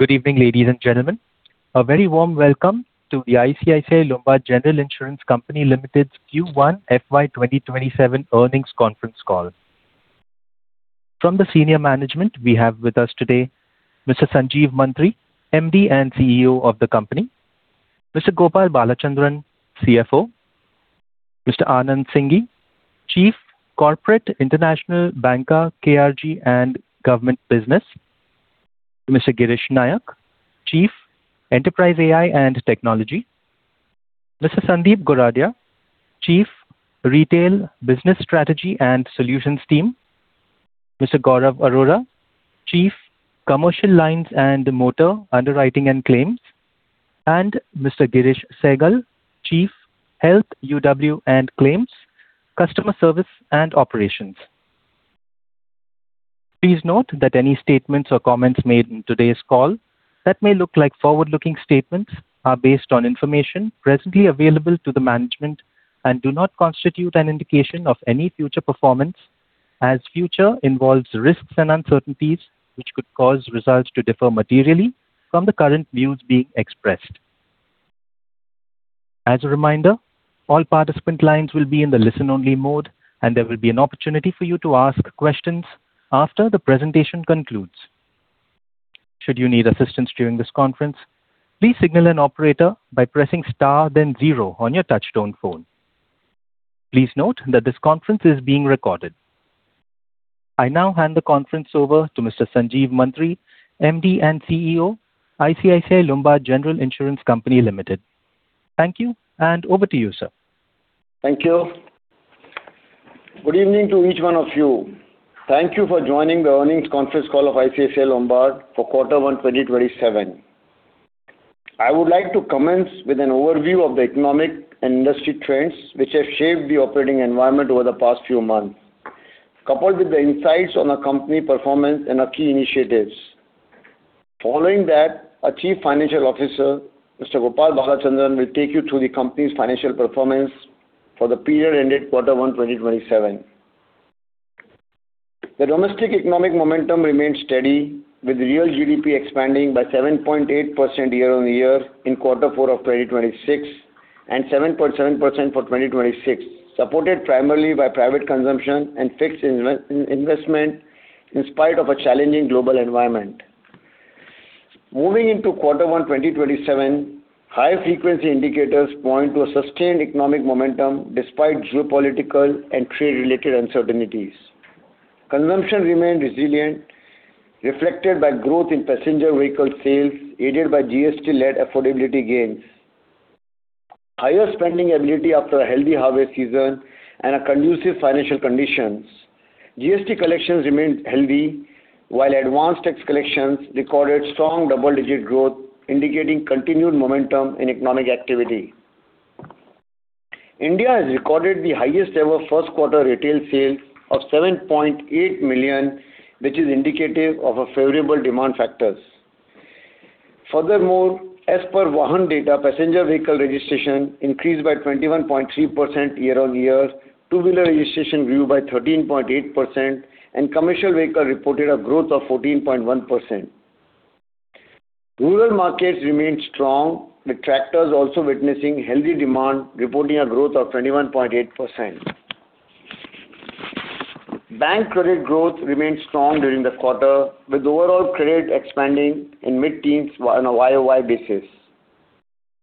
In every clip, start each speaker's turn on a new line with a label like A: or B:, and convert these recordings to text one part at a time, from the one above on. A: Good evening, ladies and gentlemen. A very warm welcome to the ICICI Lombard General Insurance Company Limited's Q1 FY 2027 Earnings Conference Call. From the senior management we have with us today, Mr. Sanjeev Mantri, MD and CEO of the company, Mr. Gopal Balachandran, CFO, Mr. Anand Singhi, Chief - Corporate, International, Banca (KRG) and Government Business. Mr. Girish Nayak, Chief - Enterprise AI and Technology, Mr. Sandeep Goradia, Chief - Retail, Business Strategy and Solutions Team, Mr. Gaurav Arora, Chief - Commercial Lines and Motor (Underwriting and Claims), Mr. Girish Sehgal, Chief - Health UW and Claims, Customer Service and Operations. Please note that any statements or comments made in today's call that may look like forward-looking statements are based on information presently available to the management and do not constitute an indication of any future performance, as future involves risks and uncertainties which could cause results to differ materially from the current views being expressed. As a reminder, all participant lines will be in the listen-only mode, and there will be an opportunity for you to ask questions after the presentation concludes. Should you need assistance during this conference, please signal an operator by pressing star5 then zero on your touchtone phone. Please note that this conference is being recorded. I now hand the conference over to Mr. Sanjeev Mantri, MD and CEO, ICICI Lombard General Insurance Company Limited. Thank you, and over to you, sir.
B: Thank you. Good evening to each one of you. Thank you for joining the earnings conference call of ICICI Lombard for quarter one 2027. I would like to commence with an overview of the economic and industry trends, which have shaped the operating environment over the past few months, coupled with the insights on our company performance and our key initiatives. Following that, our Chief Financial Officer, Mr. Gopal Balachandran, will take you through the company's financial performance for the period ended quarter one 2027. The domestic economic momentum remains steady, with real GDP expanding by 7.8% year-on-year in quarter four of 2026 and 7.7% for 2026, supported primarily by private consumption and fixed investment, in spite of a challenging global environment. Moving into quarter one 2027, high-frequency indicators point to a sustained economic momentum despite geopolitical and trade-related uncertainties. Consumption remained resilient, reflected by growth in passenger vehicle sales, aided by GST-led affordability gains. Higher spending ability after a healthy harvest season and conducive financial conditions. GST collections remained healthy, while advanced tax collections recorded strong double-digit growth, indicating continued momentum in economic activity. India has recorded the highest ever first quarter retail sale of 7.8 million, which is indicative of our favorable demand factors. Furthermore, as per Vahan data, passenger vehicle registration increased by 21.3% year-on-year, two-wheeler registration grew by 13.8%, and commercial vehicle reported a growth of 14.1%. Rural markets remained strong, with tractors also witnessing healthy demand, reporting a growth of 21.8%. Bank credit growth remained strong during the quarter, with overall credit expanding in mid-teens on a YoY basis.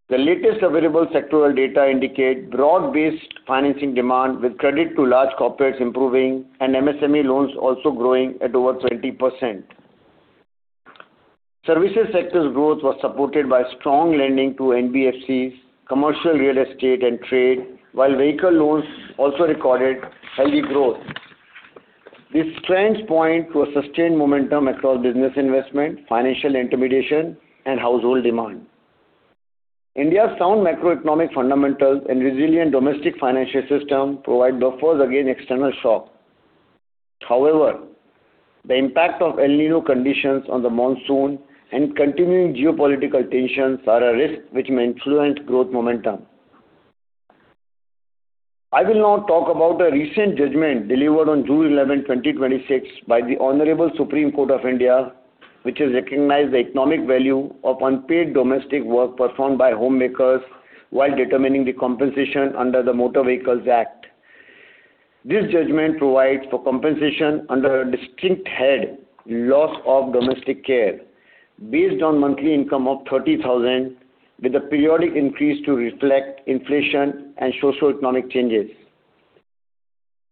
B: The latest available sectoral data indicate broad-based financing demand with credit to large corporates improving and MSME loans also growing at over 20%. Services sector's growth was supported by strong lending to NBFCs, commercial real estate, and trade while vehicle loans also recorded healthy growth. These trends point to a sustained momentum across business investment, financial intermediation, and household demand. India's sound macroeconomic fundamentals and resilient domestic financial system provide buffers against external shock. However, the impact of El Niño conditions on the monsoon and continuing geopolitical tensions are a risk which may influence growth momentum. I will now talk about a recent judgment delivered on June 11th, 2026, by the Honorable Supreme Court of India, which has recognized the economic value of unpaid domestic work performed by homemakers while determining the compensation under the Motor Vehicles Act. This judgment provides for compensation under a distinct head, loss of domestic care, based on monthly income of 30,000, with a periodic increase to reflect inflation and socioeconomic changes.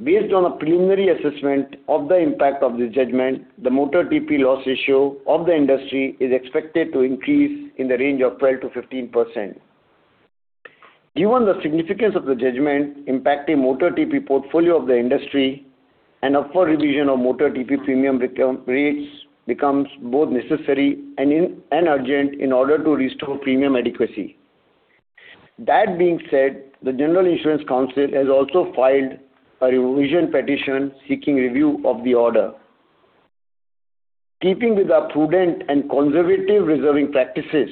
B: Based on a preliminary assessment of the impact of this judgment, the Motor TP loss ratio of the industry is expected to increase in the range of 12%-15%. Given the significance of the judgment impacting Motor TP portfolio of the industry, an upward revision of Motor TP premium rates becomes both necessary and urgent in order to restore premium adequacy. That being said, the General Insurance Council has also filed a revision petition seeking review of the order. Keeping with our prudent and conservative reserving practices,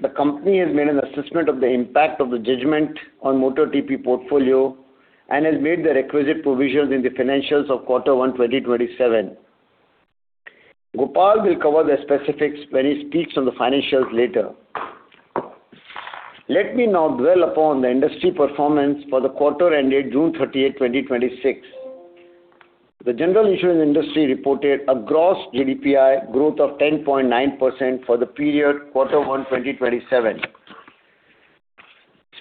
B: the company has made an assessment of the impact of the judgment on motor TP portfolio and has made the requisite provisions in the financials of quarter one 2027. Gopal will cover the specifics when he speaks on the financials later. Let me now dwell upon the industry performance for the quarter ending June 30th, 2026. The general insurance industry reported a gross GDPI growth of 10.9% for the period quarter one 2027.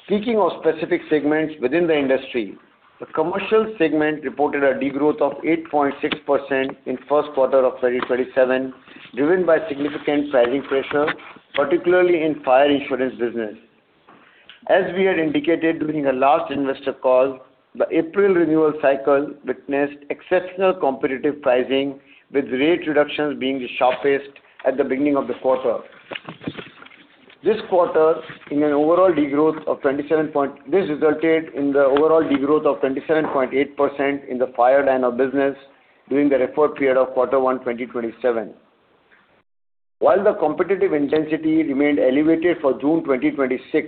B: Speaking of specific segments within the industry, the commercial segment reported a degrowth of 8.6% in first quarter of 2027, driven by significant pricing pressure, particularly in fire insurance business. As we had indicated during our last investor call, the April renewal cycle witnessed exceptional competitive pricing, with rate reductions being the sharpest at the beginning of the quarter. This resulted in the overall degrowth of 27.8% in the fire line of business during the referred period of quarter one 2027. While the competitive intensity remained elevated for June 2026,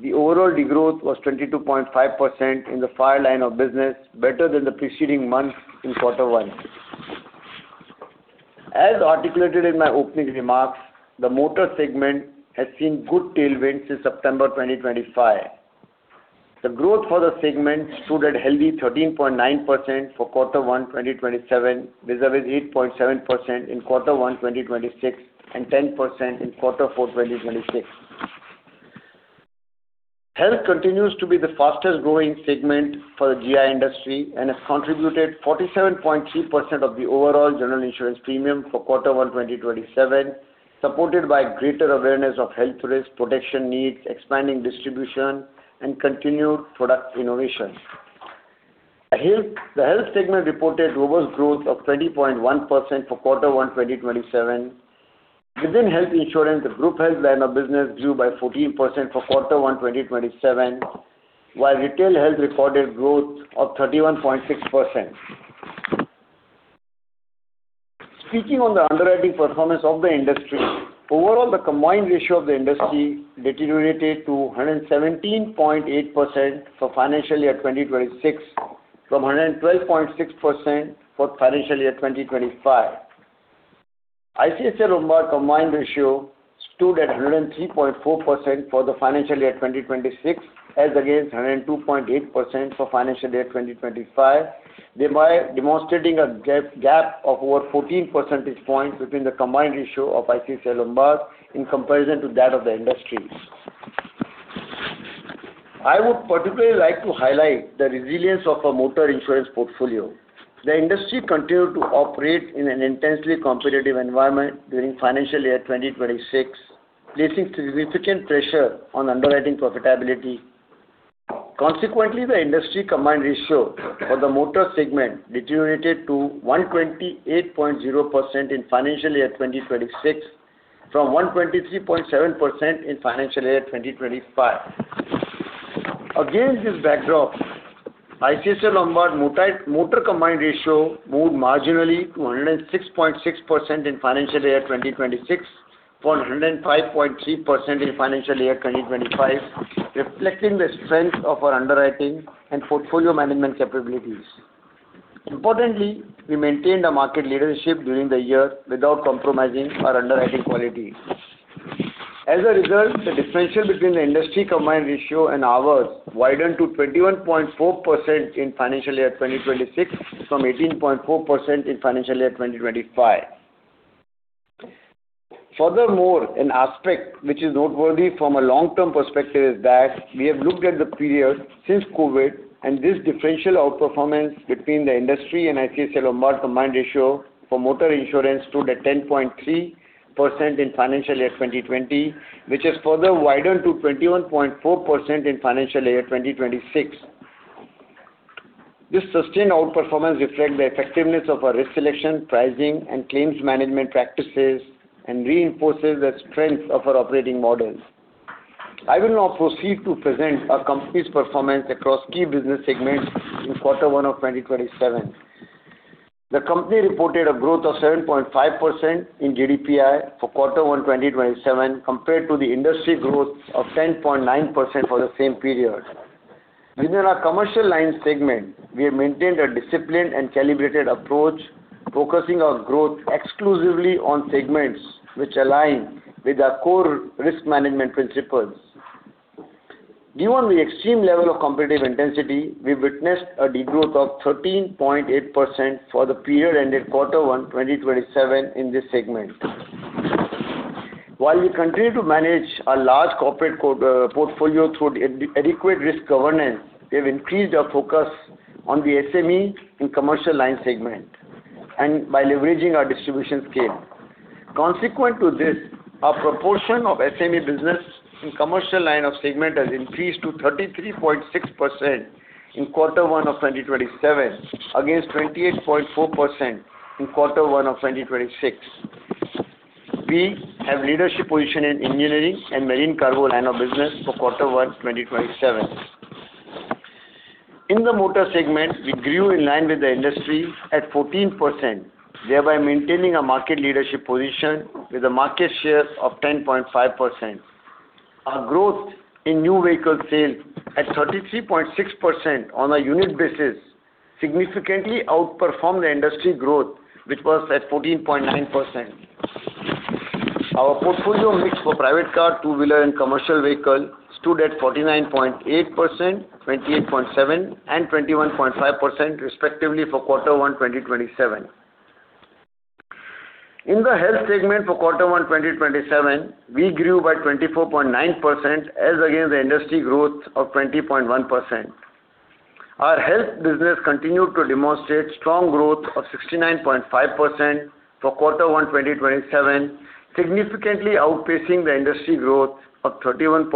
B: the overall degrowth was 22.5% in the fire line of business, better than the preceding month in quarter one. As articulated in my opening remarks, the motor segment has seen good tailwinds since September 2025. The growth for the segment stood at healthy 13.9% for quarter one 2027, vis-à-vis 8.7% in quarter one 2026 and 10% in quarter four 2026. Health continues to be the fastest-growing segment for the GI industry and has contributed 47.3% of the overall general insurance premium for quarter one 2027, supported by greater awareness of health risk, protection needs, expanding distribution, and continued product innovation. The health segment reported robust growth of 20.1% for quarter one 2027. Within health insurance, the group health line of business grew by 14% for quarter one 2027, while retail health recorded growth of 31.6%. Speaking on the underwriting performance of the industry, overall, the combined ratio of the industry deteriorated to 117.8% for financial year 2026 from 112.6% for financial year 2025. ICICI Lombard combined ratio stood at 103.4% for the financial year 2026, as against 102.8% for financial year 2025, demonstrating a gap of over 14 percentage points between the combined ratio of ICICI Lombard in comparison to that of the industry's. I would particularly like to highlight the resilience of our motor insurance portfolio. The industry continued to operate in an intensely competitive environment during financial year 2026, placing significant pressure on underwriting profitability. Consequently, the industry combined ratio for the motor segment deteriorated to 128.0% in financial year 2026 from 123.7% in financial year 2025. Against this backdrop, ICICI Lombard motor combined ratio moved marginally to 106.6% in financial year 2026 from 105.3% in financial year 2025, reflecting the strength of our underwriting and portfolio management capabilities. Importantly, we maintained our market leadership during the year without compromising our underwriting quality. As a result, the differential between the industry combined ratio and ours widened to 21.4% in financial year 2026 from 18.4% in financial year 2025. Furthermore, an aspect which is noteworthy from a long-term perspective is that we have looked at the period since COVID, and this differential outperformance between the industry and ICICI Lombard combined ratio for motor insurance stood at 10.3% in financial year 2020, which has further widened to 21.4% in financial year 2026. This sustained outperformance reflects the effectiveness of our risk selection, pricing, and claims management practices and reinforces the strength of our operating model. I will now proceed to present our company's performance across key business segments in quarter one of 2027. The company reported a growth of 7.5% in GDPI for quarter one 2027, compared to the industry growth of 10.9% for the same period. Within our commercial line segment, we have maintained a disciplined and calibrated approach, focusing our growth exclusively on segments which align with our core risk management principles. Due to the extreme level of competitive intensity, we witnessed a degrowth of 13.8% for the period ending quarter one 2027 in this segment. While we continue to manage our large corporate portfolio through adequate risk governance, we have increased our focus on the SME and commercial line segment and by leveraging our distribution scale. Consequent to this, our proportion of SME business in commercial line of segment has increased to 33.6% in quarter one of 2027 against 28.4% in quarter one of 2026. We have leadership position in engineering and marine cargo line of business for quarter one 2027. In the motor segment, we grew in line with the industry at 14%, thereby maintaining a market leadership position with a market share of 10.5%. Our growth in new vehicle sales at 33.6% on a unit basis significantly outperformed the industry growth, which was at 14.9%. Our portfolio mix for private car, two-wheeler, and commercial vehicle stood at 49.8%, 28.7%, and 21.5%, respectively, for quarter one 2027. In the health segment for quarter one 2027, we grew by 24.9%, as against the industry growth of 20.1%. Our health business continued to demonstrate strong growth of 69.5% for quarter one 2027, significantly outpacing the industry growth of 31.6%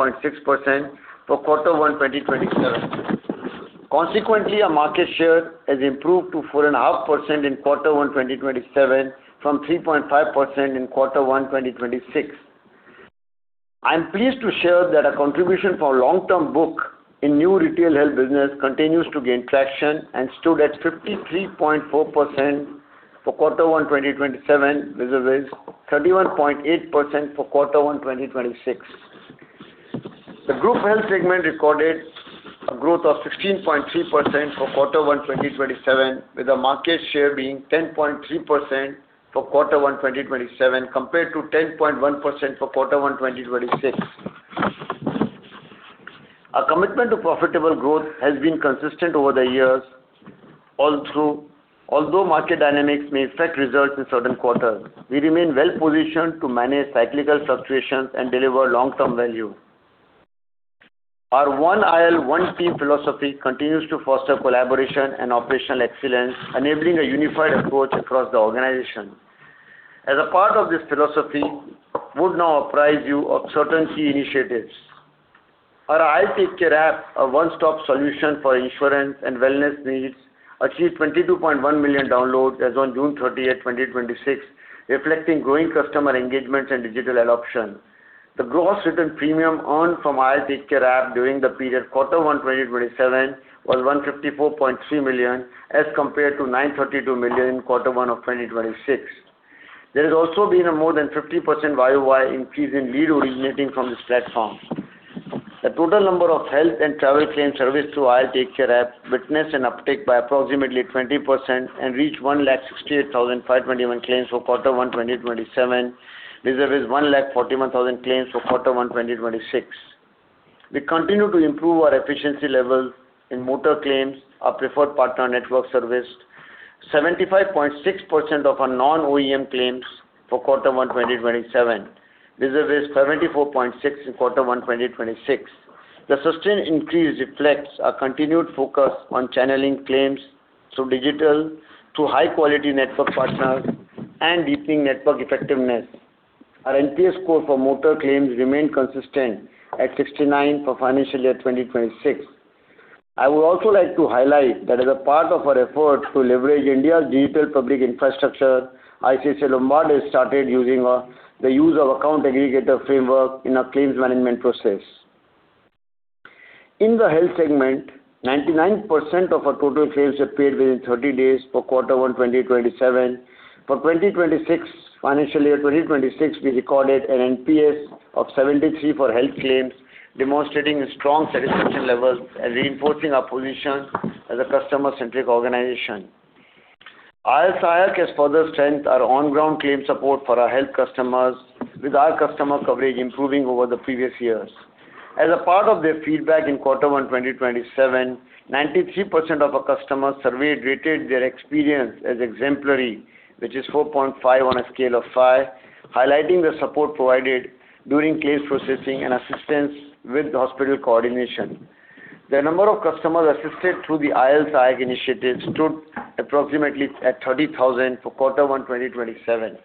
B: for quarter one 2027. Consequently, our market share has improved to 4.5% in quarter one 2027 from 3.5% in quarter one 2026. I am pleased to share that our contribution for long-term book in new retail health business continues to gain traction and stood at 53.4% for quarter one 2027, vis-à-vis 31.8% for quarter one 2026. The group health segment recorded a growth of 16.3% for quarter one 2027, with our market share being 10.3% for quarter one 2027 compared to 10.1% for quarter one 2026. Our commitment to profitable growth has been consistent over the years. Although market dynamics may affect results in certain quarters, we remain well-positioned to manage cyclical fluctuations and deliver long-term value. Our One IL One Team philosophy continues to foster collaboration and operational excellence, enabling a unified approach across the organization. As a part of this philosophy, I would now apprise you of certain key initiatives. Our IL TakeCare app, a one-stop solution for insurance and wellness needs, achieved 22.1 million downloads as on June 30, 2026, reflecting growing customer engagement and digital adoption. The gross written premium earned from IL TakeCare app during the period quarter one 2027 was 154.3 million as compared to 932 million in quarter one of 2026. There has also been a more than 50% year-over-year increase in lead originating from this platform. The total number of health and travel claims serviced through IL TakeCare app witnessed an uptick by approximately 20% and reached 168,521 claims for quarter one 2027, vis-à-vis 141,000 claims for quarter one 2026. We continue to improve our efficiency levels in motor claims. Our preferred partner network serviced 75.6% of our non-OEM claims for quarter one 2027, vis-à-vis 74.6% in quarter one 2026. The sustained increase reflects our continued focus on channeling claims through digital to high-quality network partners and deepening network effectiveness. Our NPS score for motor claims remained consistent at 69 for financial year 2026. I would also like to highlight that as a part of our effort to leverage India's digital public infrastructure, ICICI Lombard has started using the use of account aggregator framework in our claims management process. In the health segment, 99% of our total claims were paid within 30 days for quarter one 2027. For financial year 2026, we recorded an NPS of 73 for health claims, demonstrating strong satisfaction levels and reinforcing our position as a customer-centric organization. IL Sahayak has further strengthened our on-ground claim support for our health customers, with our customer coverage improving over the previous years. As a part of their feedback in quarter one 2027, 93% of our customers surveyed rated their experience as exemplary, which is 4.5 on a scale of five, highlighting the support provided during claims processing and assistance with hospital coordination. The number of customers assisted through the IL Sahayak initiative stood approximately at 30,000 for quarter one 2027.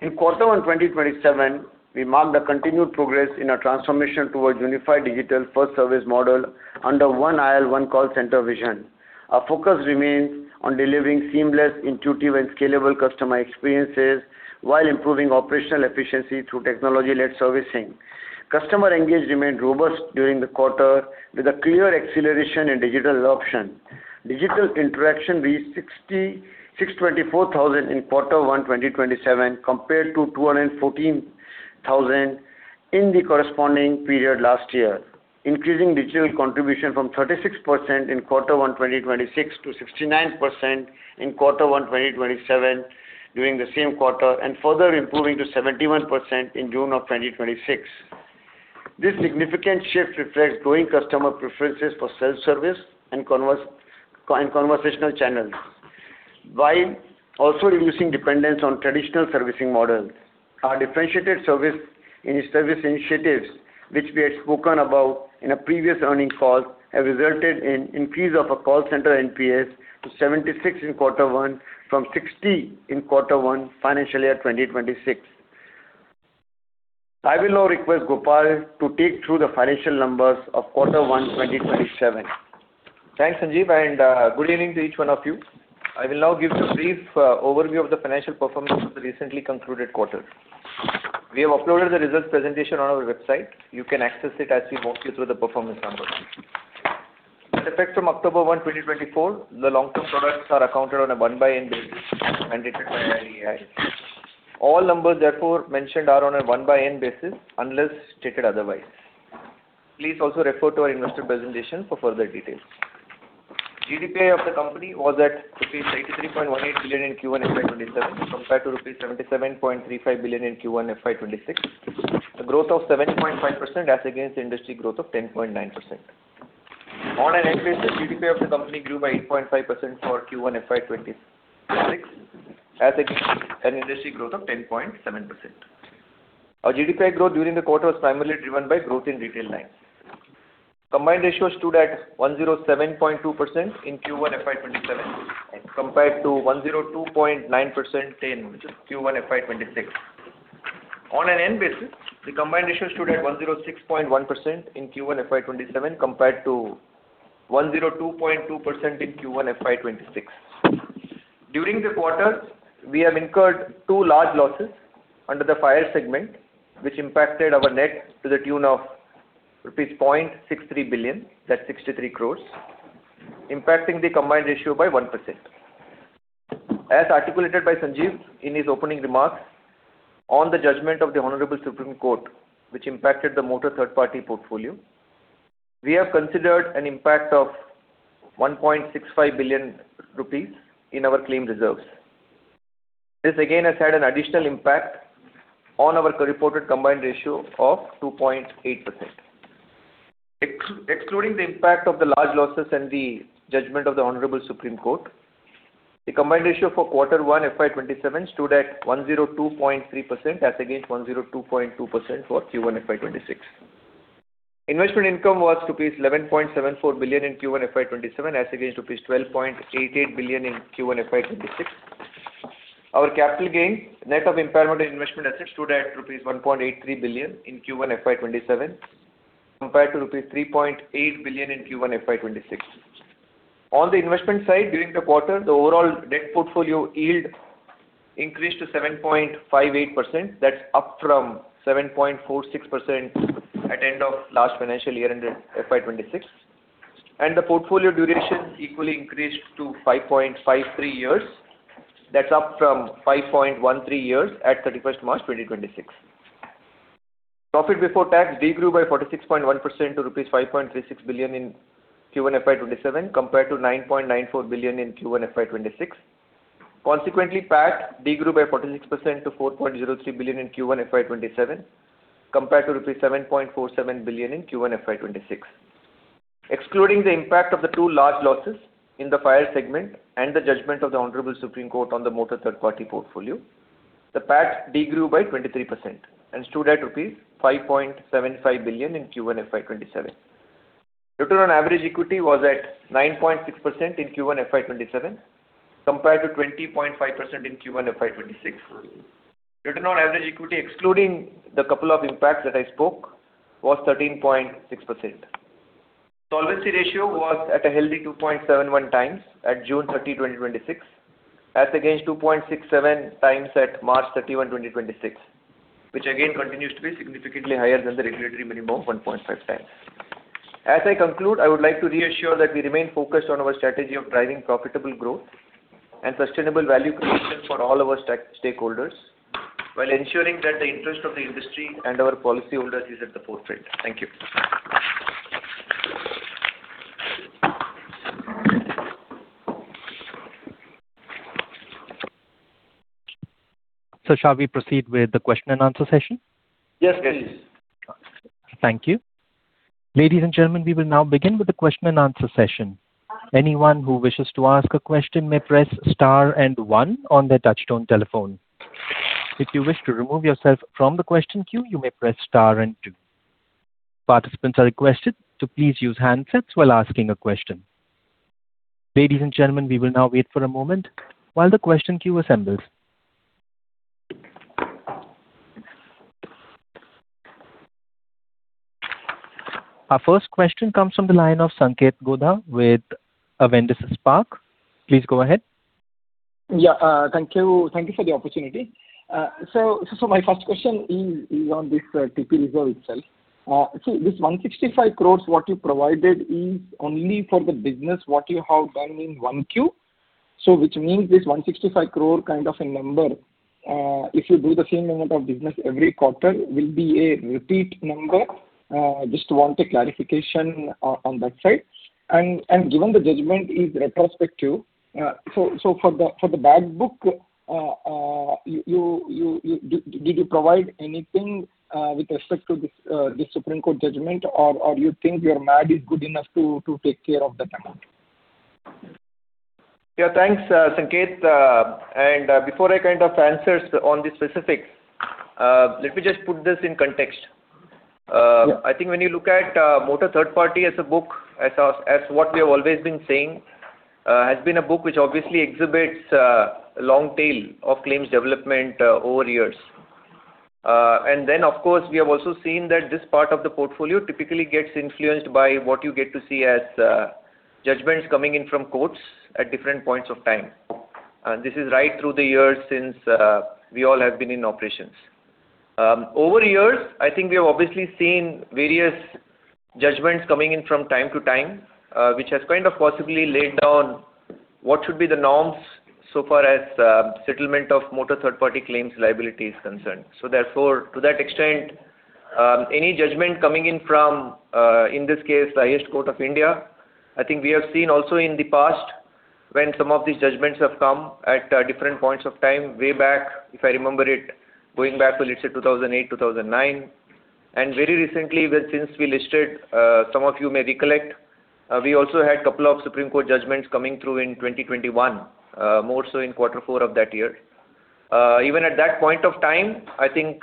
B: In quarter one 2027, we marked the continued progress in our transformation towards unified digital first service model under One IL, One Call Center vision. Our focus remains on delivering seamless, intuitive, and scalable customer experiences while improving operational efficiency through technology-led servicing. Customer engagement remained robust during the quarter, with a clear acceleration in digital adoption. Digital interaction reached 624,000 quarter one 2027 compared to 214,000 in the corresponding period last year, increasing digital contribution from 36% in quarter one 2026 to 69% in quarter one 2027 during the same quarter, and further improving to 71% in June of 2026. This significant shift reflects growing customer preferences for self-service and conversational channels while also reducing dependence on traditional servicing models. Our differentiated service initiatives, which we had spoken about in a previous earnings call, have resulted in increase of our call center NPS to 76 in quarter one from 60 in quarter one FY 2026. I will now request Gopal to take through the financial numbers of quarter one 2027.
C: Thanks, Sanjeev, and good evening to each one of you. I will now give you a brief overview of the financial performance of the recently concluded quarter. We have uploaded the results presentation on our website. You can access it as we walk you through the performance numbers. With effect from October 1, 2024, the long-term products are accounted on a 1/n basis and rated by IRDAI. All numbers therefore mentioned are on a 1/n basis unless stated otherwise. Please also refer to our investor presentation for further details. GDPI of the company was at rupees 83.18 billion in Q1 FY 2027, compared to rupees 77.35 billion in Q1 FY 2026, a growth of 7.5% as against the industry growth of 10.9%. On an n basis, GDPI of the company grew by 8.5% for Q1 FY 2026 as against an industry growth of 10.7%. Our GDPI growth during the quarter was primarily driven by growth in retail loans. Combined ratio stood at 107.2% in Q1 FY 2027 compared to 102.9% in Q1 FY 2026. On an n basis, the combined ratio stood at 106.1% in Q1 FY 2027 compared to 102.2% in Q1 FY 2026. During the quarter, we have incurred two large losses under the fire segment, which impacted our net to the tune of rupees 0.63 billion, that's 63 crore, impacting the combined ratio by 1%. As articulated by Sanjeev in his opening remarks on the judgment of the Honorable Supreme Court, which impacted the Motor Third-Party portfolio, we have considered an impact of 1.65 billion rupees in our claim reserves. This again has had an additional impact on our reported combined ratio of 2.8%. Excluding the impact of the large losses and the judgment of the Honorable Supreme Court, the combined ratio for quarter one FY 2027 stood at 102.3% as against 102.2% for Q1 FY 2026. Investment income was rupees 11.74 billion in Q1 FY 2027 as against rupees 12.88 billion in Q1 FY 2026. Our capital gain net of impairment on investment assets stood at rupees 1.83 billion in Q1 FY 2027 compared to rupees 3.8 billion in Q1 FY 2026. On the investment side, during the quarter, the overall debt portfolio yield increased to 7.58%. That's up from 7.46% at end of last financial year in the FY 2026. The portfolio duration equally increased to 5.53 years. That's up from 5.13 years at March 31st, 2026. Profit before tax de-grew by 46.1% to rupees 5.36 billion in Q1 FY 2027 compared to 9.94 billion in Q1 FY 2026. Consequently, PAT de-grew by 46% to INR. 4.03 billion in Q1 FY 2027 compared to rupees 7.47 billion in Q1 FY 2026. Excluding the impact of the two large losses in the fire segment and the judgment of the Honorable Supreme Court on the Motor Third-Party portfolio, the PAT de-grew by 23% and stood at rupees 5.75 billion in Q1 FY 2027. Return on average equity was at 9.6% in Q1 FY 2027 compared to 20.5% in Q1 FY 2026. Return on average equity, excluding the couple of impacts that I spoke, was 13.6%. Solvency ratio was at a healthy 2.71x at June 30, 2026, as against 2.67x at March 31, 2026, which again continues to be significantly higher than the regulatory minimum of 1.5x. As I conclude, I would like to reassure that we remain focused on our strategy of driving profitable growth and sustainable value creation for all our stakeholders while ensuring that the interest of the industry and our policyholders is at the forefront. Thank you.
A: Shall we proceed with the question and answer session?
B: Yes, please.
A: Thank you. Ladies and gentlemen, we will now begin with the question and answer session. Anyone who wishes to ask a question may press star and one on their touchtone telephone. If you wish to remove yourself from the question queue, you may press star and two. Participants are requested to please use handsets while asking a question. Ladies and gentlemen, we will now wait for a moment while the question queue assembles. Our first question comes from the line of Sanketh Godha with Avendus Spark. Please go ahead.
D: Yeah. Thank you for the opportunity. My first question is on this TP reserve itself. This INR 165 crore what you provided is only for the business what you have done in 1Q. Which means this 165 crore kind of a number, if you do the same amount of business every quarter, will be a repeat number. Just want a clarification on that side. Given the judgment is retrospective, for the bad book, did you provide anything with respect to this Supreme Court judgment, or you think your IBNR is good enough to take care of that amount?
C: Yeah, thanks, Sanketh. Before I answer on this specific, let me just put this in context.
D: Yeah.
C: I think when you look at Motor Third-Party as a book, as what we have always been saying, has been a book which obviously exhibits a long tail of claims development over years. Of course, we have also seen that this part of the portfolio typically gets influenced by what you get to see as judgments coming in from courts at different points of time. This is right through the years since we all have been in operations. Over years, I think we have obviously seen various judgments coming in from time to time, which has possibly laid down what should be the norms so far as settlement of Motor Third-Party claims liability is concerned. Therefore, to that extent, any judgment coming in from, in this case, the Supreme Court of India, I think we have seen also in the past when some of these judgments have come at different points of time, way back, if I remember it, going back to, let's say, 2008, 2009, and very recently since we listed, some of you may recollect, we also had couple of Supreme Court judgments coming through in 2021, more so in quarter four of that year. Even at that point of time, I think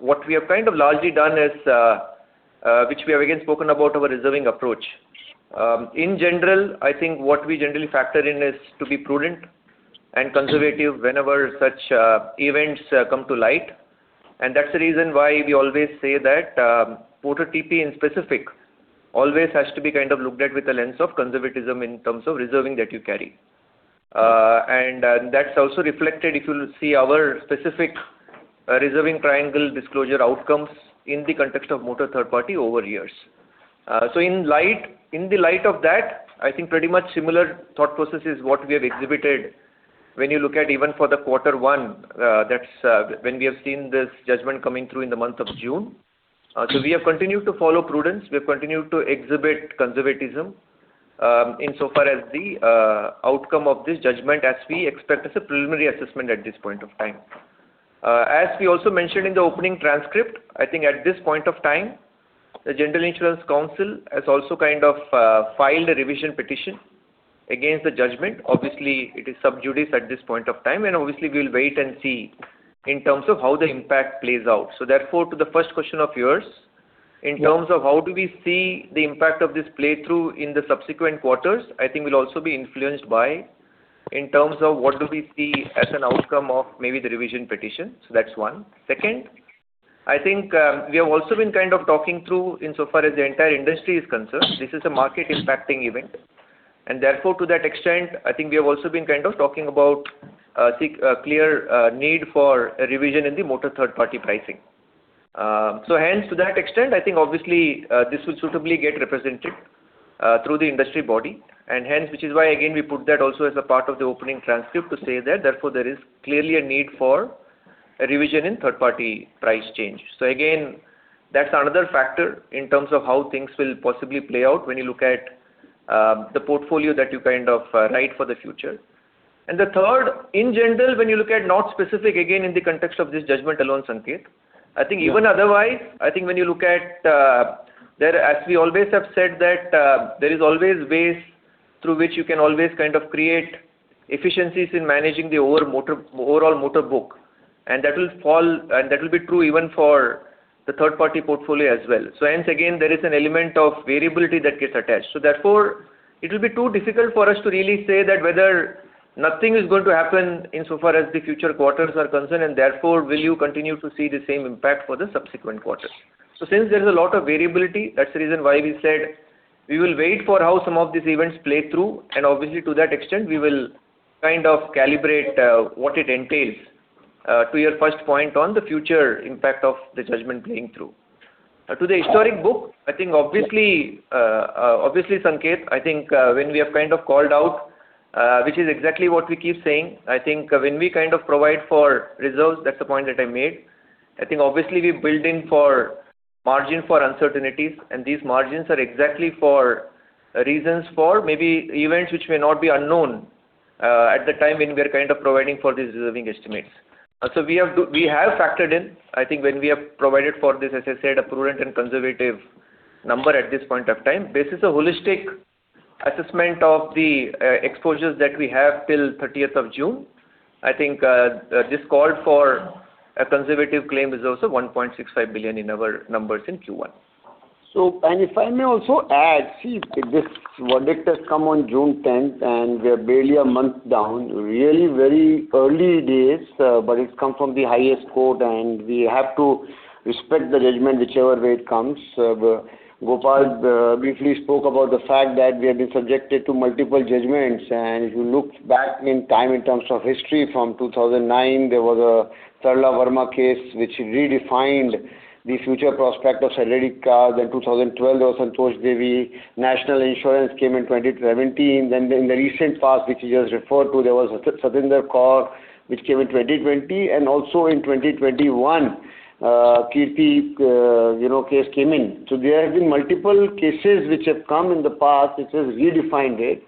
C: what we have largely done is, which we have again spoken about our reserving approach. In general, I think what we generally factor in is to be prudent and conservative whenever such events come to light, and that's the reason why we always say that Motor TP, in specific, always has to be looked at with the lens of conservatism in terms of reserving that you carry. That's also reflected if you see our specific reserving triangle disclosure outcomes in the context of Motor Third Party over years. In the light of that, I think pretty much similar thought process is what we have exhibited when you look at even for the quarter one, that's when we have seen this judgment coming through in the month of June. We have continued to follow prudence. We have continued to exhibit conservatism, insofar as the outcome of this judgment as we expect as a preliminary assessment at this point of time. As we also mentioned in the opening transcript, I think at this point of time, the General Insurance Council has also filed a revision petition against the judgment. Obviously, it is sub judice at this point of time. Obviously, we'll wait and see in terms of how the impact plays out. Therefore, to the first question of yours, in terms of how do we see the impact of this play through in the subsequent quarters, I think will also be influenced by, in terms of what do we see as an outcome of maybe the revision petition. That's one. Second, I think we have also been talking through, insofar as the entire industry is concerned, this is a market impacting event. Therefore, to that extent, I think we have also been talking about clear need for a revision in the motor third-party pricing. Hence, to that extent, I think obviously, this will suitably get represented through the industry body, and hence, which is why, again, we put that also as a part of the opening transcript to say that therefore there is clearly a need for a revision in third-party price change. Again, that's another factor in terms of how things will possibly play out when you look at the portfolio that you write for the future. The third, in general, when you look at not specific, again, in the context of this judgment alone, Sanketh, I think even otherwise, As we always have said that there is always ways through which you can always create efficiencies in managing the overall motor book, and that will be true even for the third-party portfolio as well. Hence, again, there is an element of variability that gets attached. Therefore, it will be too difficult for us to really say that whether nothing is going to happen insofar as the future quarters are concerned, and therefore, will you continue to see the same impact for the subsequent quarters. Since there is a lot of variability, that's the reason why we said we will wait for how some of these events play through, and obviously, to that extent, we will calibrate what it entails to your first point on the future impact of the judgment playing through. To the historic book, obviously, Sanketh, I think when we have called out, which is exactly what we keep saying. I think when we provide for reserves, that's the point that I made. Obviously, we build in for margin for uncertainties, and these margins are exactly for reasons for maybe events which may not be unknown at the time when we are providing for these reserving estimates. We have factored in, when we have provided for this, as I said, a prudent and conservative number at this point of time. This is a holistic assessment of the exposures that we have till 30th of June. This call for a conservative claim is also 1.65 billion in our numbers in Q1.
B: If I may also add, see, this verdict has come on June 10th. We're barely a month down. Really very early days, but it's come from the highest court, and we have to respect the judgment whichever way it comes. Gopal briefly spoke about the fact that we have been subjected to multiple judgments. If you look back in time in terms of history from 2009, there was a Sarla Verma case which redefined the future prospect of salaried class. In 2012, there was Santosh Devi. National Insurance came in 2017. Then in the recent past, which you just referred to, there was Satinder Kaur, which came in 2020, and also in 2021, Kirti case came in. There have been multiple cases which have come in the past which has redefined it.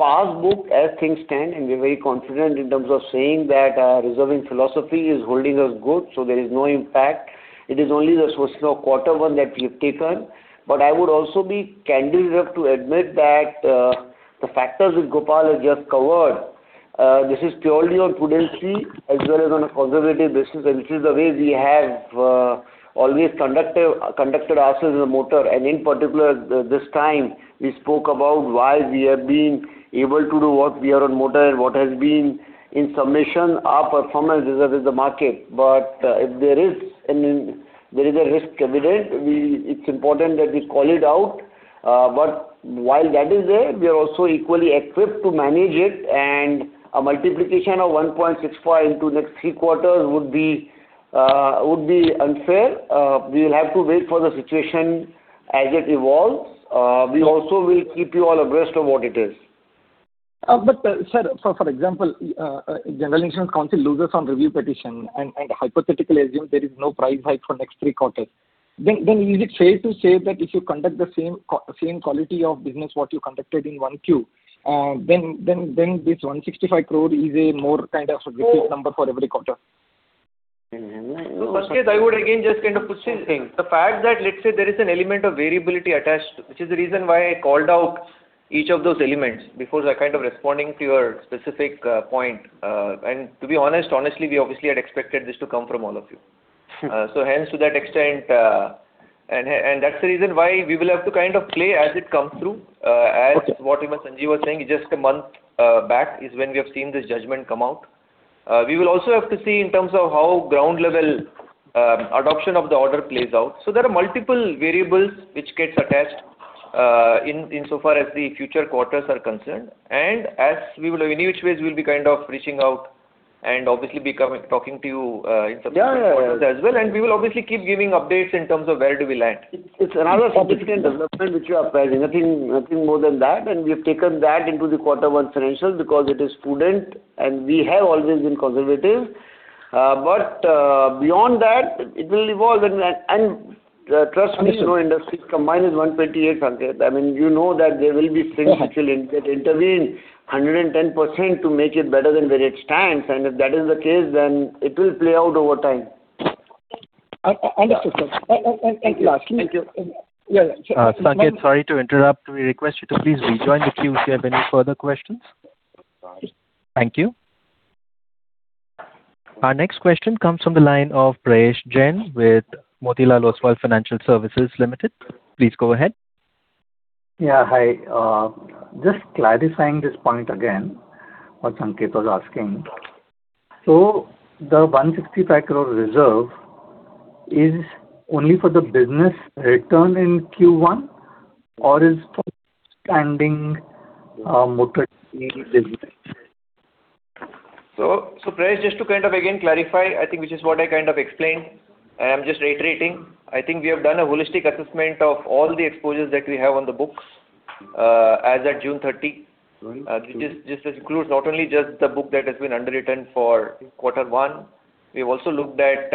B: Past book as things stand. We're very confident in terms of saying that our reserving philosophy is holding us good. There is no impact. It is only the source of quarter one that we have taken. I would also be candid enough to admit that the factors which Gopal has just covered, this is purely on prudency as well as on a conservative basis, and this is the way we have always conducted ourselves as a motor. In particular, this time, we spoke about why we have been able to do what we are on motor and what has been In summation, our performance is that is the market. If there is a risk evident, it's important that we call it out. While that is there, we are also equally equipped to manage it, and a multiplication of 1.65 billion into the next three quarters would be unfair. We will have to wait for the situation as it evolves. We also will keep you all abreast of what it is.
D: Sir, for example, General Insurance Council loses on review petition, and hypothetically assume there is no price hike for the next three quarters. Then is it fair to say that if you conduct the same quality of business that you conducted in 1Q, then this 165 crore is a more kind of specific number for every quarter?
C: Sanketh, I would again just push this thing. The fact that, let's say, there is an element of variability attached, which is the reason why I called out each of those elements before kind of responding to your specific point. To be honest, honestly, we obviously had expected this to come from all of you. Hence, to that extent. That's the reason why we will have to play as it comes through, as what Sanjeev was saying, just a month back is when we have seen this judgment come out. We will also have to see in terms of how ground-level adoption of the order plays out. There are multiple variables which get attached insofar as the future quarters are concerned. And in which ways we'll be reaching out and obviously be talking to you in subsequent-
B: Yeah....
C: quarters as well. We will obviously keep giving updates in terms of where do we land.
B: It's another significant development which we are apprising. Nothing more than that. We have taken that into the quarter one financials because it is prudent, and we have always been conservative. Beyond that, it will evolve. Trust me-
D: Understood....
B: industries combined is 128%, Sanketh. You know that there will be things which will intervene 110% to make it better than where it stands. If that is the case, then it will play out over time.
D: I understand, sir. Lastly.
B: Thank you.
D: Yeah.
A: Sanketh, sorry to interrupt. We request you to please rejoin the queue if you have any further questions. Thank you. Our next question comes from the line of Prayesh Jain with Motilal Oswal Financial Services Limited. Please go ahead.
E: Hi. Just clarifying this point again, what Sanketh was asking. The 165 crore reserve is only for the business written in Q1 or is for standing Motor business?
C: Prayesh, just to again clarify, which is what I explained, I am just reiterating. We have done a holistic assessment of all the exposures that we have on the books as at June 30. This includes not only just the book that has been underwritten for quarter one. We have also looked at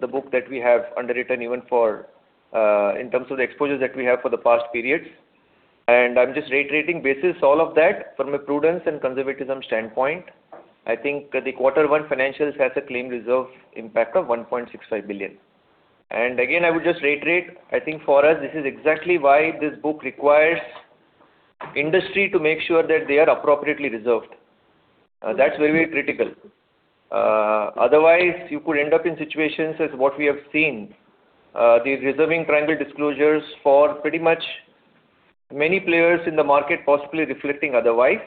C: the book that we have underwritten even in terms of the exposures that we have for the past periods. I'm just reiterating, basis all of that from a prudence and conservatism standpoint, the quarter one financials has a claim reserve impact of 1.65 billion. Again, I would just reiterate, for us, this is exactly why this book requires industry to make sure that they are appropriately reserved. That's very critical. Otherwise, you could end up in situations as what we have seen, the reserving triangle disclosures for pretty much many players in the market possibly reflecting otherwise.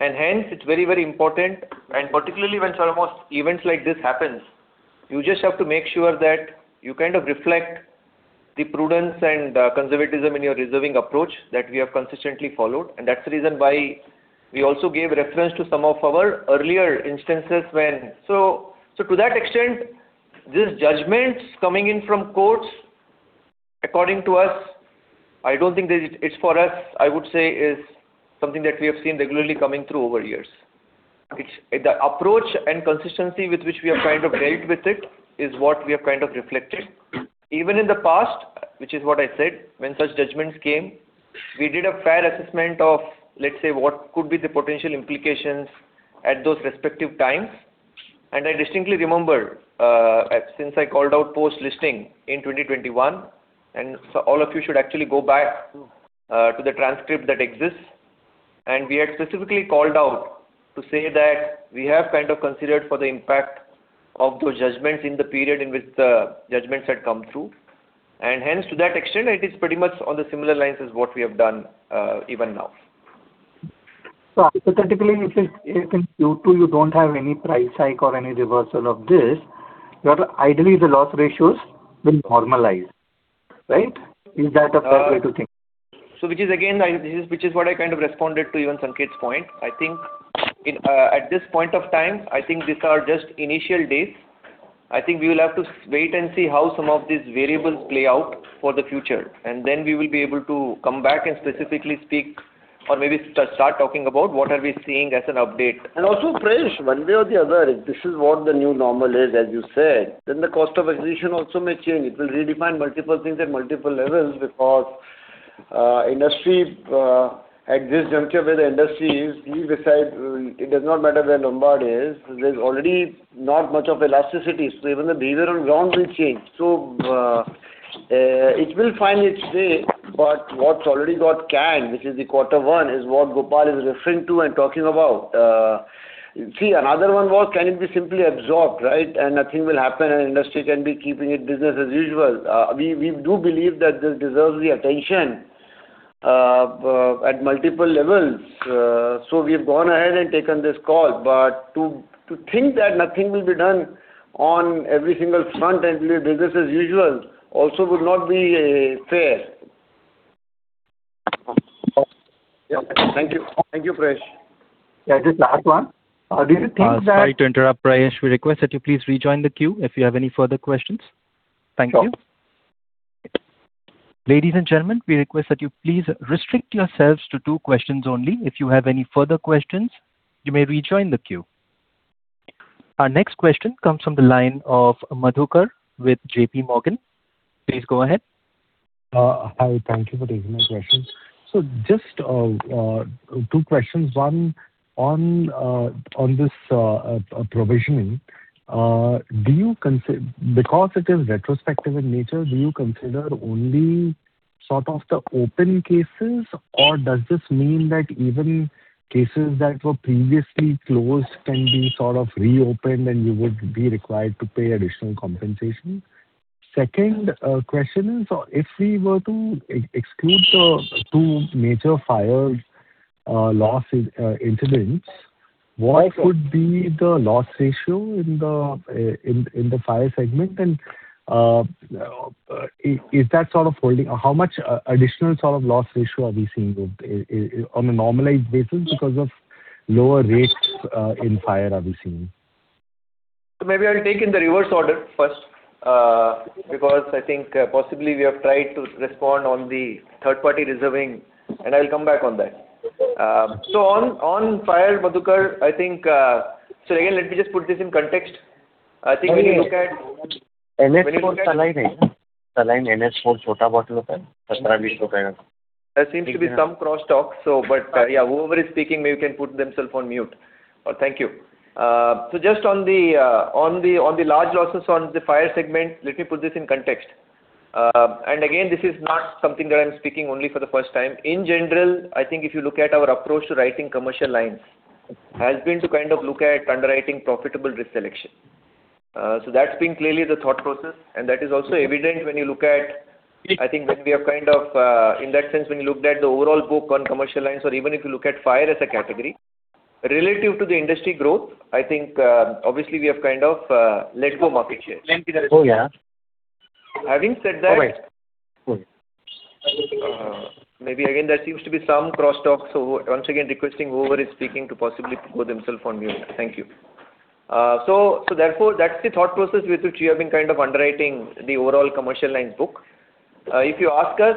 C: Hence, it's very important, and particularly when some of events like this happens, you just have to make sure that you reflect the prudence and conservatism in your reserving approach that we have consistently followed. That's the reason why we also gave reference to some of our earlier instances. To that extent, these judgments coming in from courts, according to us, I don't think it's for us, I would say is something that we have seen regularly coming through over years. The approach and consistency with which we have dealt with it is what we have reflected. Even in the past, which is what I said, when such judgments came, we did a fair assessment of, let's say, what could be the potential implications at those respective times. I distinctly remember, since I called out post-listing in 2021, and all of you should actually go back to the transcript that exists. We had specifically called out to say that we have considered for the impact of those judgments in the period in which the judgments had come through. Hence, to that extent, it is pretty much on the similar lines as what we have done even now.
E: Hypothetically, if in Q2 you don't have any price hike or any reversal of this, ideally the loss ratios will normalize, right? Is that a fair way to think?
C: Which is what I responded to even Sanketh's point. I think at this point of time, I think these are just initial days. I think we will have to wait and see how some of these variables play out for the future. Then we will be able to come back and specifically speak or maybe start talking about what are we seeing as an update.
B: Also, Prayesh, one way or the other, if this is what the new normal is, as you said, then the cost of acquisition also may change. It will redefine multiple things at multiple levels because at this juncture where the industry is, we decide it does not matter where Lombard is. There's already not much of elasticity, so even the behavior on ground will change. It will find its way, but what's already got canned, which is the quarter one, is what Gopal is referring to and talking about. Another one was, can it be simply absorbed, right, and nothing will happen and industry can be keeping it business as usual? We do believe that this deserves the attention at multiple levels. We've gone ahead and taken this call. To think that nothing will be done on every single front and we do business as usual also would not be fair.
E: Yeah. Thank you.
C: Thank you, Prayesh.
E: Yeah, just last one. Do you think?
A: Sorry to interrupt, Prayesh. We request that you please rejoin the queue if you have any further questions. Thank you.
E: Sure.
A: Ladies and gentlemen, we request that you please restrict yourselves to two questions only. If you have any further questions, you may rejoin the queue. Our next question comes from the line of Madhukar with JPMorgan. Please go ahead.
F: Hi. Thank you for taking my questions. Just two questions. One, on this provisioning, because it is retrospective in nature, do you consider only sort of the open cases, or does this mean that even cases that were previously closed can be sort of reopened and you would be required to pay additional compensation? Second question is, if we were to exclude the two major fire loss incidents, what could be the loss ratio in the fire segment, and how much additional sort of loss ratio are we seeing on a normalized basis because of lower rates in fire are we seeing?
C: Maybe I'll take in the reverse order first, because I think possibly we have tried to respond on the third party reserving, and I'll come back on that. On fire, Madhukar, so again, let me just put this in context. I think when you look at- There seems to be some crosstalk. Yeah, whoever is speaking maybe can put themself on mute. Thank you. Just on the large losses on the fire segment, let me put this in context. Again, this is not something that I'm speaking only for the first time. In general, I think if you look at our approach to writing commercial lines, has been to kind of look at underwriting profitable risk selection. That's been clearly the thought process, and that is also evident when you look at, I think when we have in that sense, when you looked at the overall book on commercial lines or even if you look at fire as a category, relative to the industry growth, I think, obviously we have kind of let go market shares.
F: Oh, yeah.
C: Having said that.
F: All right.
C: Maybe again, there seems to be some crosstalk. Once again, requesting whoever is speaking to possibly put themselves on mute. Thank you. Therefore, that's the thought process with which we have been kind of underwriting the overall commercial lines book. If you ask us,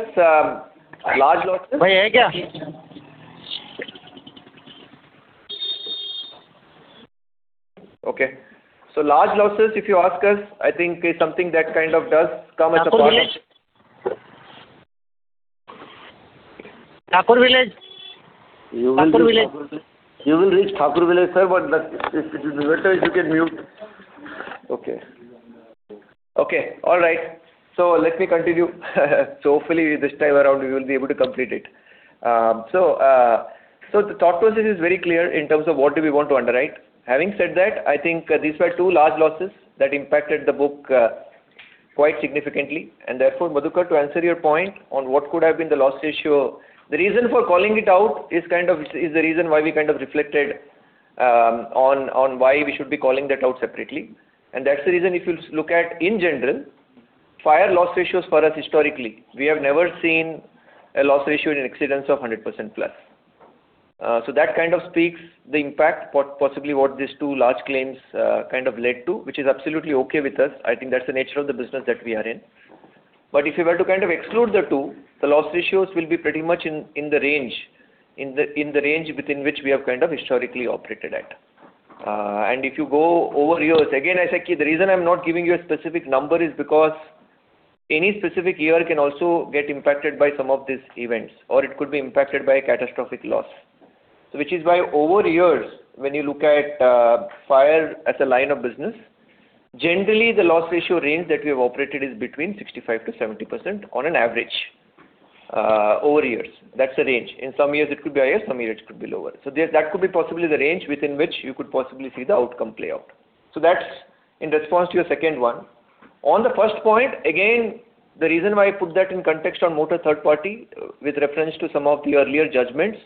C: large losses, if you ask us, I think is something that kind of does come as a portion.
B: You will reach Thakur Village, sir, it would be better if you can mute.
C: Okay. All right. Let me continue. Hopefully this time around we will be able to complete it. The thought process is very clear in terms of what do we want to underwrite. Having said that, I think these were two large losses that impacted the book quite significantly, therefore, Madhukar, to answer your point on what could have been the loss ratio. The reason for calling it out is the reason why we kind of reflected on why we should be calling that out separately. That's the reason if you look at, in general, fire loss ratios for us historically. We have never seen a loss ratio in an exceedance of 100%+. That kind of speaks the impact possibly what these two large claims kind of led to, which is absolutely okay with us. I think that's the nature of the business that we are in. If you were to kind of exclude the two, the loss ratios will be pretty much in the range within which we have kind of historically operated at. If you go over years, again, the reason I'm not giving you a specific number is because any specific year can also get impacted by some of these events, or it could be impacted by a catastrophic loss. Which is why over years, when you look at fire as a line of business, generally the loss ratio range that we have operated is between 65%-70% on an average over years. That's the range. In some years it could be higher, some years it could be lower. That could be possibly the range within which you could possibly see the outcome play out. That's in response to your second one. On the first point, again, the reason why I put that in context on Motor Third-Party with reference to some of the earlier judgments,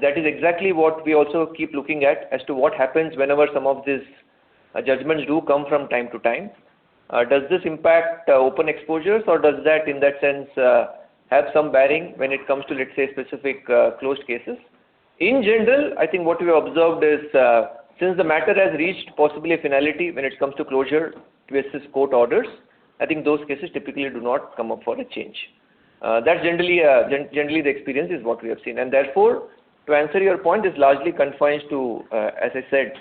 C: that is exactly what we also keep looking at as to what happens whenever some of these judgments do come from time to time. Does this impact open exposures or does that in that sense, have some bearing when it comes to, let's say, specific closed cases? In general, I think what we have observed is, since the matter has reached possibly a finality when it comes to closure versus court orders, I think those cases typically do not come up for a change. That's generally the experience is what we have seen. Therefore, to answer your point, it's largely confined to, as I said,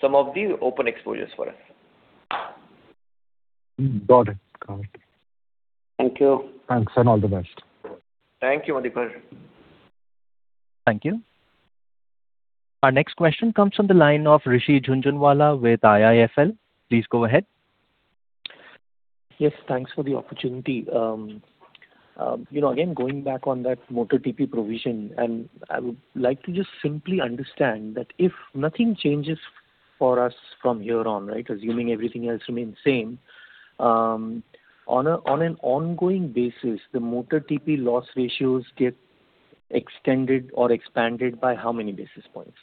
C: some of the open exposures for us.
F: Got it.
B: Thank you.
F: Thanks, and all the best.
C: Thank you, Madhukar.
A: Thank you. Our next question comes from the line of Rishi Jhunjhunwala with IIFL. Please go ahead.
G: Yes, thanks for the opportunity. Again, going back on that Motor TP provision, I would like to just simply understand that if nothing changes For us from here on, right? Assuming everything else remains same. On an ongoing basis, the Motor TP loss ratios get extended or expanded by how many basis points?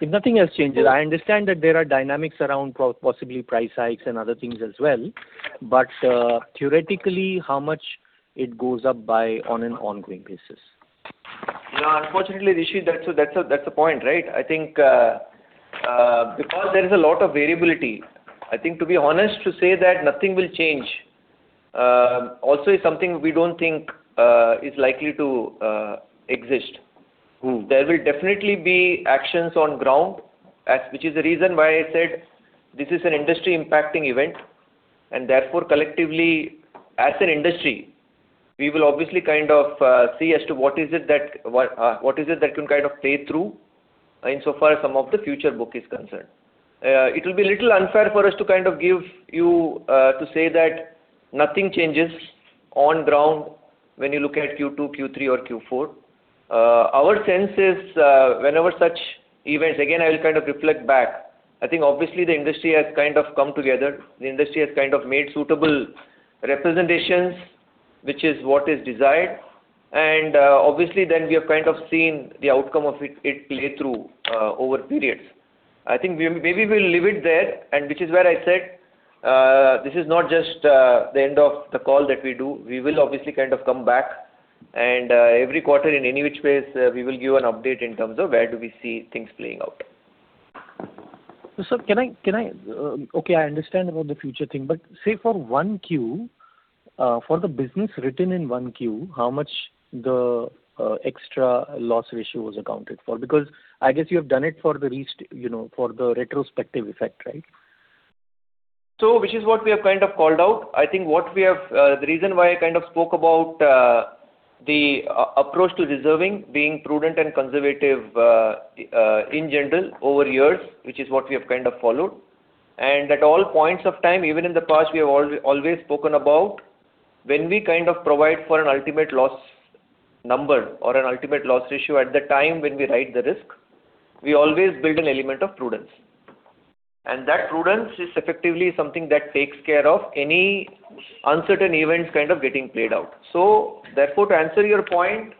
G: If nothing else changes, I understand that there are dynamics around possibly price hikes and other things as well, theoretically, how much it goes up by on an ongoing basis?
C: Unfortunately, Rishi, that's the point, right? I think because there is a lot of variability, I think to be honest, to say that nothing will change also is something we don't think is likely to exist. There will definitely be actions on ground, which is the reason why I said this is an industry impacting event, and therefore collectively as an industry, we will obviously see as to what is it that can play through insofar as some of the future book is concerned. It will be a little unfair for us to give you, to say that nothing changes on ground when you look at Q2, Q3 or Q4. Our sense is whenever such events. Again, I will reflect back. I think obviously the industry has come together. The industry has made suitable representations, which is what is desired. Obviously then we have seen the outcome of it play through over periods. I think maybe we'll leave it there, and which is where I said, this is not just the end of the call that we do. We will obviously come back and every quarter in any which ways we will give an update in terms of where do we see things playing out.
G: Sir, okay, I understand about the future thing, but say for 1Q, for the business written in 1Q, how much the extra loss ratio was accounted for? Because I guess you have done it for the retrospective effect, right?
C: Which is what we have called out. I think the reason why I spoke about the approach to reserving being prudent and conservative in general over years, which is what we have followed. At all points of time, even in the past, we have always spoken about when we provide for an ultimate loss number or an ultimate loss ratio at the time when we write the risk, we always build an element of prudence. That prudence is effectively something that takes care of any uncertain events getting played out. Therefore, to answer your point,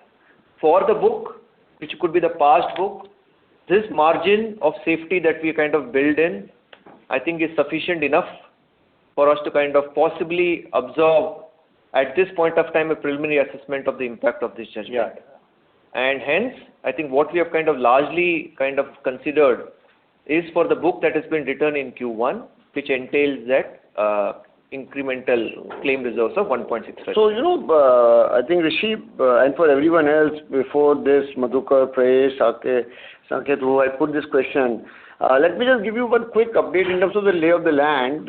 C: for the book, which could be the past book, this margin of safety that we build in, I think is sufficient enough for us to possibly absorb at this point of time a preliminary assessment of the impact of this judgment.
G: Yeah.
C: Hence, I think what we have largely considered is for the book that has been written in Q1, which entails that incremental claim reserves of 1.65.
B: You know, I think Rishi, and for everyone else before this, Madhukar, Prayesh, Sanketh, who I put this question. Let me just give you one quick update in terms of the lay of the land.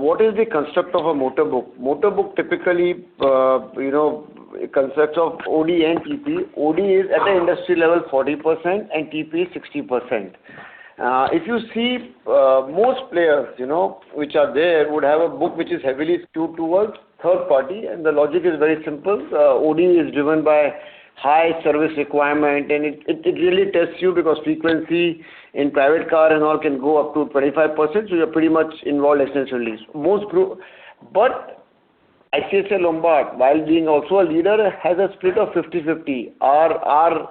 B: What is the construct of a motor book? Motor book typically, constructs of OD and TP. OD is at the industry level 40% and TP is 60%. If you see most players which are there would have a book which is heavily skewed towards third party, and the logic is very simple. OD is driven by high service requirement, and it really tests you because frequency in private car and all can go up to 25%, you're pretty much involved essentially. ICICI Lombard, while being also a leader, has a split of 50/50. Our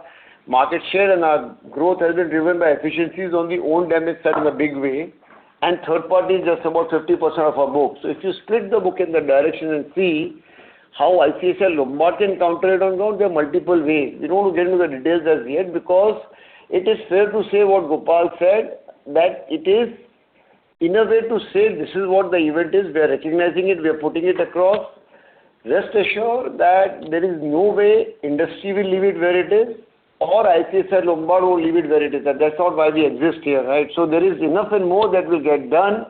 B: market share and our growth has been driven by efficiencies on the Own Damage side in a big way, and third party is just about 50% of our book. If you split the book in that direction and see how ICICI Lombard can counter it on ground, there are multiple ways. We don't want to get into the details as yet because it is fair to say what Gopal said, that it is in a way to say this is what the event is, we are recognizing it, we are putting it across. Rest assured that there is no way industry will leave it where it is or ICICI Lombard will leave it where it is. That's not why we exist here, right? There is enough and more that will get done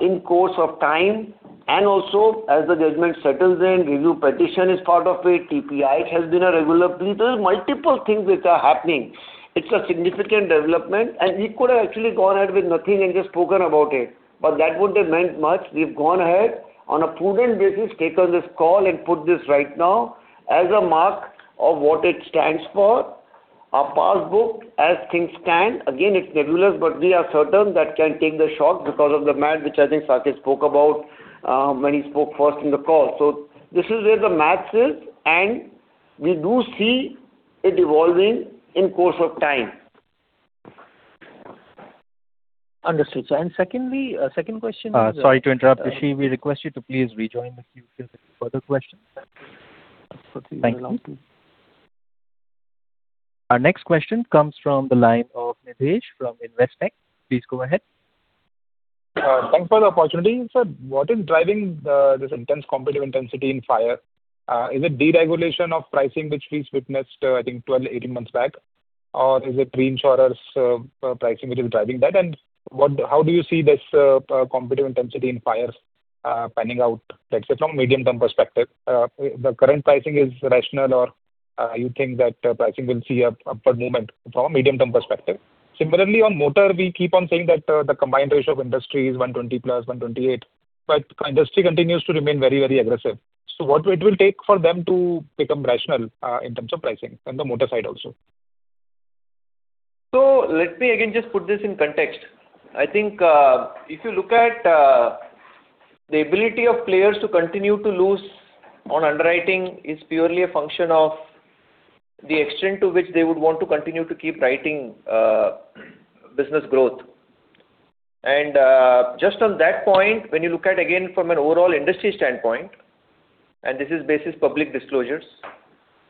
B: in course of time and also as the judgment settles in, review petition is part of it, TPI has been a regular plea. There are multiple things which are happening. It's a significant development, and we could have actually gone ahead with nothing and just spoken about it. But that wouldn't have meant much. We've gone ahead on a prudent basis, taken this call and put this right now as a mark of what it stands for. Our past book as things stand. Again, it's nebulous, but we are certain that can take the shock because of the math, which I think Sanketh spoke about when he spoke first in the call. This is where the math sits, and we do see it evolving in course of time.
G: Understood, sir. Secondly, second question is-
A: Sorry to interrupt, Rishi. We request you to please rejoin if you have any further questions.
G: Absolutely.
A: Thank you. Our next question comes from the line of Nidhesh from Investec. Please go ahead.
H: Thanks for the opportunity. Sir, what is driving this intense competitive intensity in fire? Is it deregulation of pricing, which we've witnessed, I think 12-18 months back, or is it reinsurers pricing which is driving that? How do you see this competitive intensity in fire panning out, let's say from medium-term perspective? The current pricing is rational or you think that pricing will see a upward movement from a medium-term perspective. Similarly, on motor, we keep on saying that the combined ratio of industry is 120% + 128%, but industry continues to remain very, very aggressive. What will it take for them to become rational in terms of pricing on the motor side also?
C: Let me again just put this in context. If you look at the ability of players to continue to lose on underwriting is purely a function of the extent to which they would want to continue to keep writing business growth. Just on that point, when you look at again from an overall industry standpoint, and this is basis public disclosures,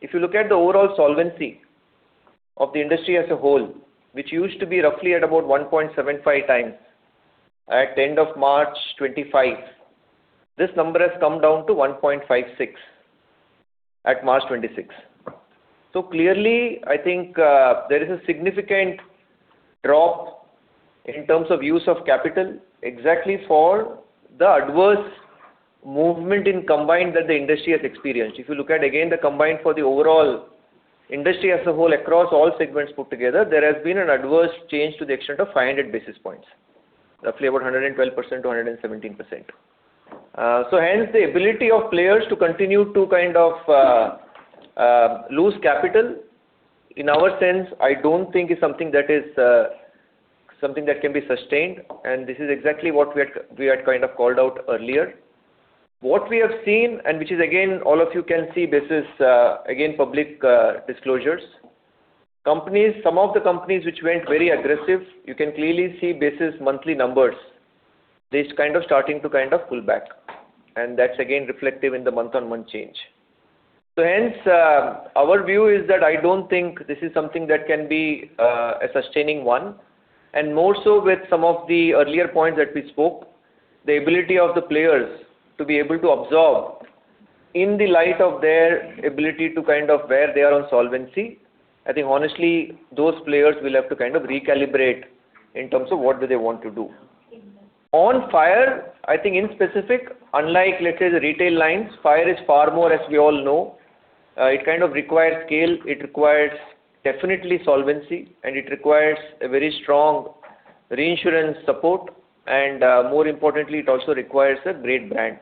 C: if you look at the overall solvency of the industry as a whole, which used to be roughly at about 1.75x at the end of March 2025, this number has come down to 1.56 at March 2026. Clearly, I think there is a significant drop in terms of use of capital exactly for the adverse movement in combined that the industry has experienced. If you look at again the combined for the overall industry as a whole across all segments put together, there has been an adverse change to the extent of 500 basis points, roughly about 112%-117%. Hence, the ability of players to continue to lose capital, in our sense, I don't think is something that can be sustained, and this is exactly what we had called out earlier. What we have seen, and which is again, all of you can see, this is again public disclosures. Some of the companies which went very aggressive, you can clearly see basis monthly numbers. They're starting to pull back, and that's again reflective in the month-over-month change. Hence, our view is that I don't think this is something that can be a sustaining one. More so with some of the earlier points that we spoke, the ability of the players to be able to absorb in the light of their ability to where they are on solvency, honestly, those players will have to recalibrate in terms of what do they want to do. On fire, in specific, unlike, let's say, the retail lines, fire is far more as we all know. It requires scale, it requires definitely solvency, more importantly, it also requires a great brand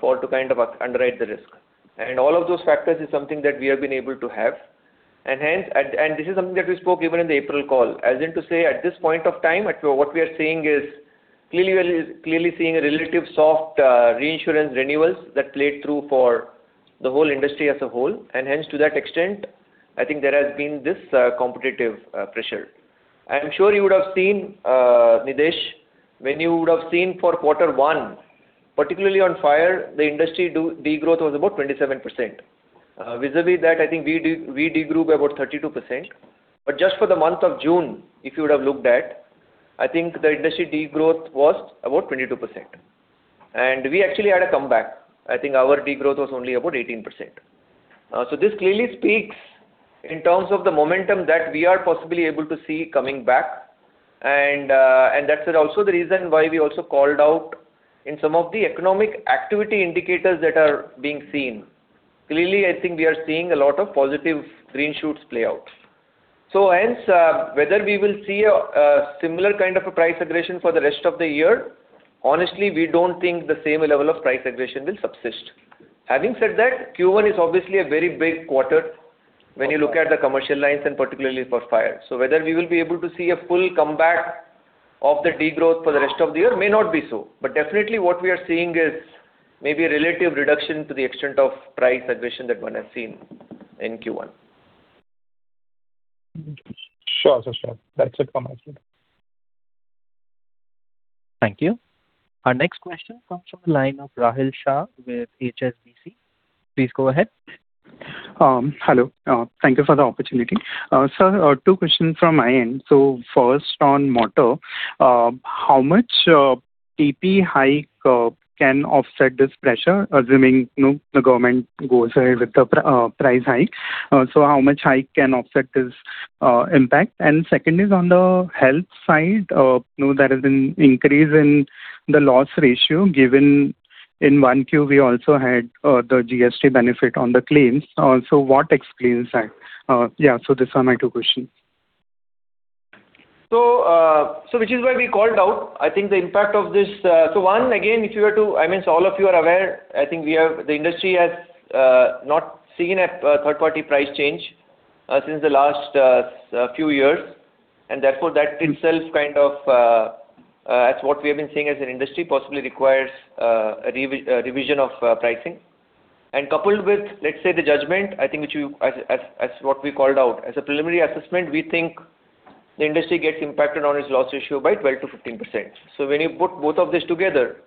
C: for to underwrite the risk. All of those factors is something that we have been able to have. This is something that we spoke even in the April call, as in to say, at this point of time, what we are seeing is clearly seeing a relative soft reinsurance renewals that played through for the whole industry as a whole. Hence, to that extent, there has been this competitive pressure. I'm sure you would have seen, Nidhesh, when you would have seen for quarter one, particularly on fire, the industry degrowth was about 27%. Vis-a-vis that, we degrew by about 32%. Just for the month of June, if you would have looked at, the industry degrowth was about 22%. We actually had a comeback. Our degrowth was only about 18%. This clearly speaks in terms of the momentum that we are possibly able to see coming back. That's also the reason why we also called out in some of the economic activity indicators that are being seen. I think we are seeing a lot of positive green shoots play out. Hence, whether we will see a similar kind of a price aggression for the rest of the year, honestly, we don't think the same level of price aggression will subsist. Having said that, Q1 is obviously a very big quarter when you look at the commercial lines and particularly for fire. Whether we will be able to see a full comeback of the degrowth for the rest of the year may not be so. Definitely what we are seeing is maybe a relative reduction to the extent of price aggression that one has seen in Q1.
H: Sure. That's it from my side.
A: Thank you. Our next question comes from the line of Rahil Shah with HSBC. Please go ahead.
I: Hello. Thank you for the opportunity. Sir, two questions from my end. First on motor, how much TP hike can offset this pressure, assuming the government goes ahead with the price hike? How much hike can offset this impact? Second is on the health side, there has been increase in the loss ratio given in 1Q, we also had the GST benefit on the claims. What explains that? These are my two questions.
C: Which is why we called out, I think the impact of this. All of you are aware, I think the industry has not seen a third-party price change since the last few years. Therefore that itself, as what we have been seeing as an industry, possibly requires a revision of pricing. Coupled with, let's say, the judgment, I think as what we called out, as a preliminary assessment, we think the industry gets impacted on its loss ratio by 12%-15%. When you put both of these together,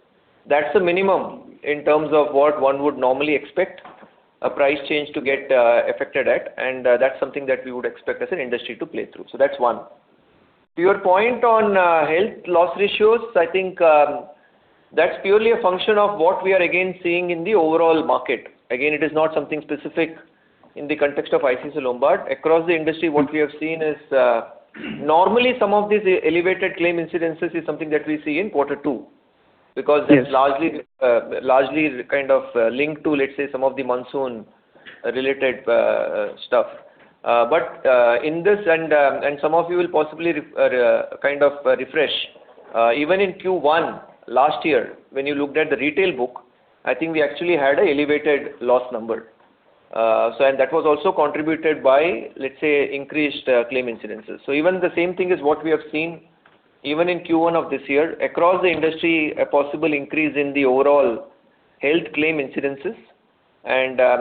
C: that's the minimum in terms of what one would normally expect a price change to get affected at, and that's something that we would expect as an industry to play through. That's one. To your point on health loss ratios, I think that's purely a function of what we are again seeing in the overall market. Again, it is not something specific in the context of ICICI Lombard. Across the industry, what we have seen is normally some of these elevated claim incidences is something that we see in quarter two, because they're largely linked to, let's say, some of the monsoon-related stuff. In this, and some of you will possibly refresh. Even in Q1 last year, when you looked at the retail book, I think we actually had an elevated loss number. That was also contributed by, let's say, increased claim incidences. Even the same thing is what we have seen even in Q1 of this year, across the industry, a possible increase in the overall health claim incidences.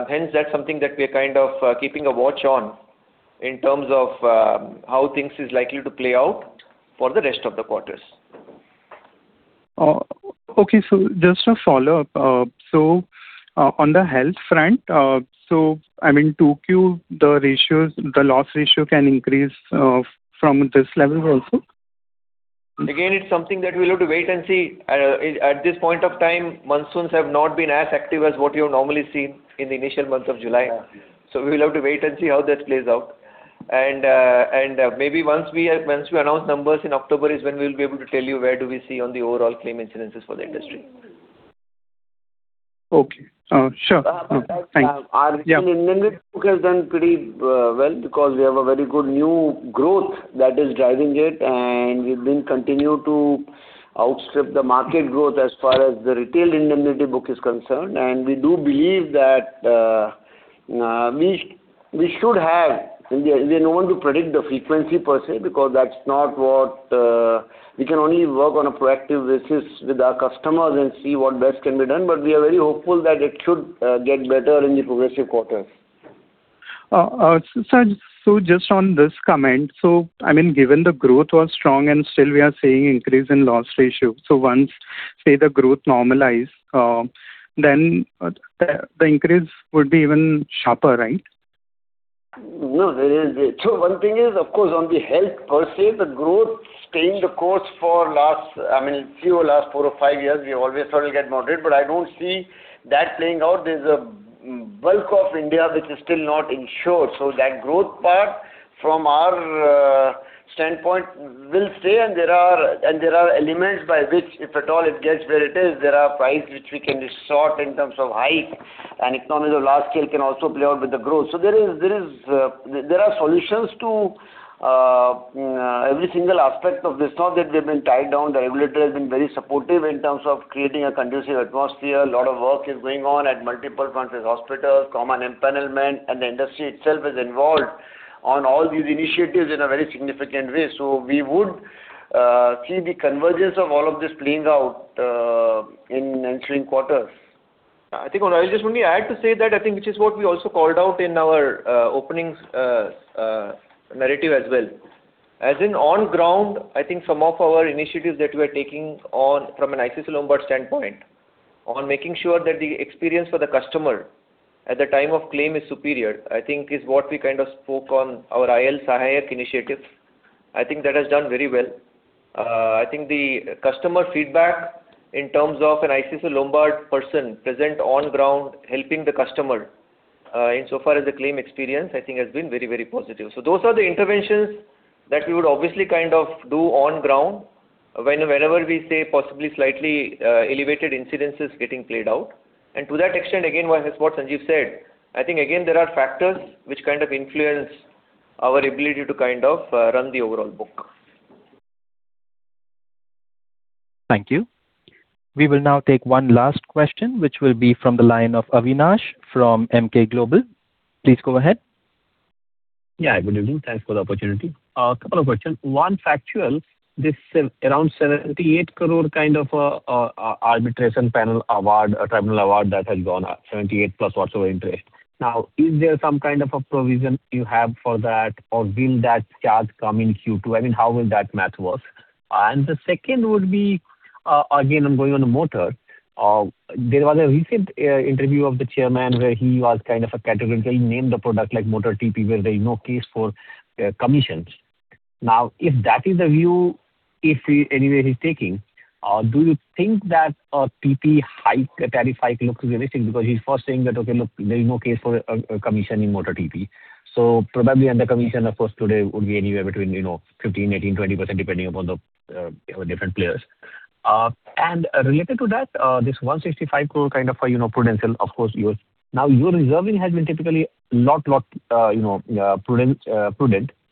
C: Hence, that's something that we're keeping a watch on in terms of how things is likely to play out for the rest of the quarters.
I: Okay. Just a follow-up. On the health front, I mean, 2Q, the loss ratio can increase from this level also?
C: It's something that we'll have to wait and see. At this point of time, monsoons have not been as active as what you've normally seen in the initial month of July.
I: Yeah.
C: We will have to wait and see how that plays out. Maybe once we announce numbers in October is when we'll be able to tell you where do we see on the overall claim incidences for the industry.
I: Okay. Sure. Thanks. Yeah.
B: Our retail indemnity book has done pretty well because we have a very good new growth that is driving it, and we've been continuing to outstrip the market growth as far as the retail indemnity book is concerned. We're no one to predict the frequency per se because we can only work on a proactive basis with our customers and see what best can be done. We are very hopeful that it should get better in the progressive quarters.
I: Sir, just on this comment. Given the growth was strong and still we are seeing increase in loss ratio. Once, say, the growth normalize, then the increase would be even sharper, right?
B: No. One thing is, of course, on the health per se, the growth staying the course for last four or five years, we always thought it'll get moderate, but I don't see that playing out. There's a bulk of India which is still not insured. That growth part from our standpoint will stay and there are elements by which if at all it gets where it is, there are price which we can resort in terms of hike and economies of large scale can also play out with the growth. There are solutions to every single aspect of this. Not that we've been tied down. The regulator has been very supportive in terms of creating a conducive atmosphere. A lot of work is going on at multiple fronts with hospitals, common empanelment, and the industry itself is involved on all these initiatives in a very significant way. We would see the convergence of all of this playing out in ensuing quarters.
C: I think on that, I just want to add to say that I think, which is what we also called out in our openings narrative as well. As in on ground, I think some of our initiatives that we're taking on from an ICICI Lombard standpoint on making sure that the experience for the customer at the time of claim is superior, I think is what we spoke on our IL Sahayak initiative. I think that has done very well. I think the customer feedback in terms of an ICICI Lombard person present on ground helping the customer, insofar as the claim experience, I think has been very positive. Those are the interventions that we would obviously do on ground whenever we see possibly slightly elevated incidences getting played out. To that extent, again, what Sanjeev said, I think again, there are factors which influence our ability to run the overall book.
A: Thank you. We will now take one last question, which will be from the line of Avinash from Emkay Global. Please go ahead.
J: Yeah, good evening. Thanks for the opportunity. A couple of questions. One factual, this around 78 crore arbitration panel award that has gone up, 78+ whatsoever interest. Is there some kind of a provision you have for that or will that charge come in Q2? I mean, how will that math work? The second would be, again, I'm going on motor. There was a recent interview of the chairman where he was categorical. He named the product like Motor TP, where there is no case for commissions. If that is the view, if anywhere he's taking, do you think that a TP hike, a tariff hike looks realistic because he's first saying that, okay, look, there's no case for a commission in Motor TP. So probably under commission, of course, today would be anywhere between 15%, 18%, 20% depending upon the different players. Related to that, this 165 crore prudential, of course, yours. Your reserving has been typically lot prudent.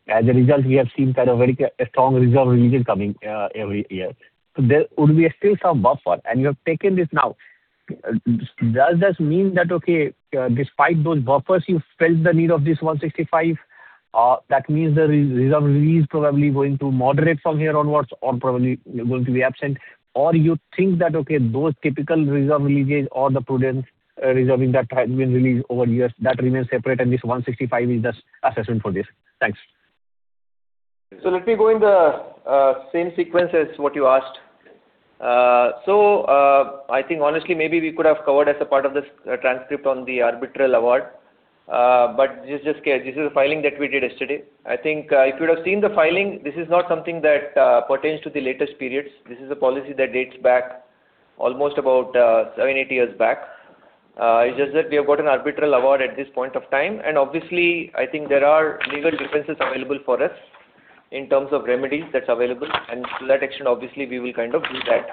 J: As a result, we have seen a very strong reserve release coming every year. Would be still some buffer and you have taken this now. Does this mean that, okay, despite those buffers you felt the need of this 165 crore? That means the reserve release probably going to moderate from here onwards or probably going to be absent, or you think that, okay, those typical reserve releases or the prudent reserving that has been released over years that remains separate and this 165 crore is just assessment for this. Thanks.
C: Let me go in the same sequence as what you asked. I think honestly, maybe we could have covered as a part of this transcript on the arbitral award. Just this case, this is a filing that we did yesterday. I think if you would have seen the filing, this is not something that pertains to the latest periods. This is a policy that dates back almost about seven, eight years back. It is just that we have got an arbitral award at this point of time and obviously, I think there are legal defenses available for us in terms of remedies that is available, and to that extent, obviously, we will do that.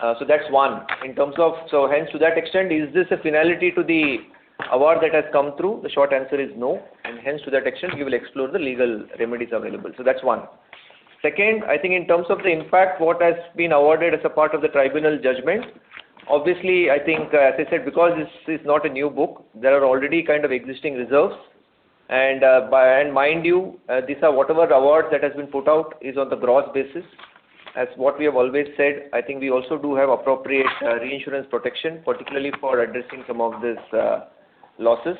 C: That is one. To that extent, is this a finality to the award that has come through? The short answer is no. To that extent, we will explore the legal remedies available. That is one. Second, I think in terms of the impact, what has been awarded as a part of the tribunal judgment, obviously, I think, as I said, because this is not a new book, there are already existing reserves. Mind you, these are whatever award that has been put out is on the gross basis. As what we have always said, I think we also do have appropriate reinsurance protection, particularly for addressing some of these losses.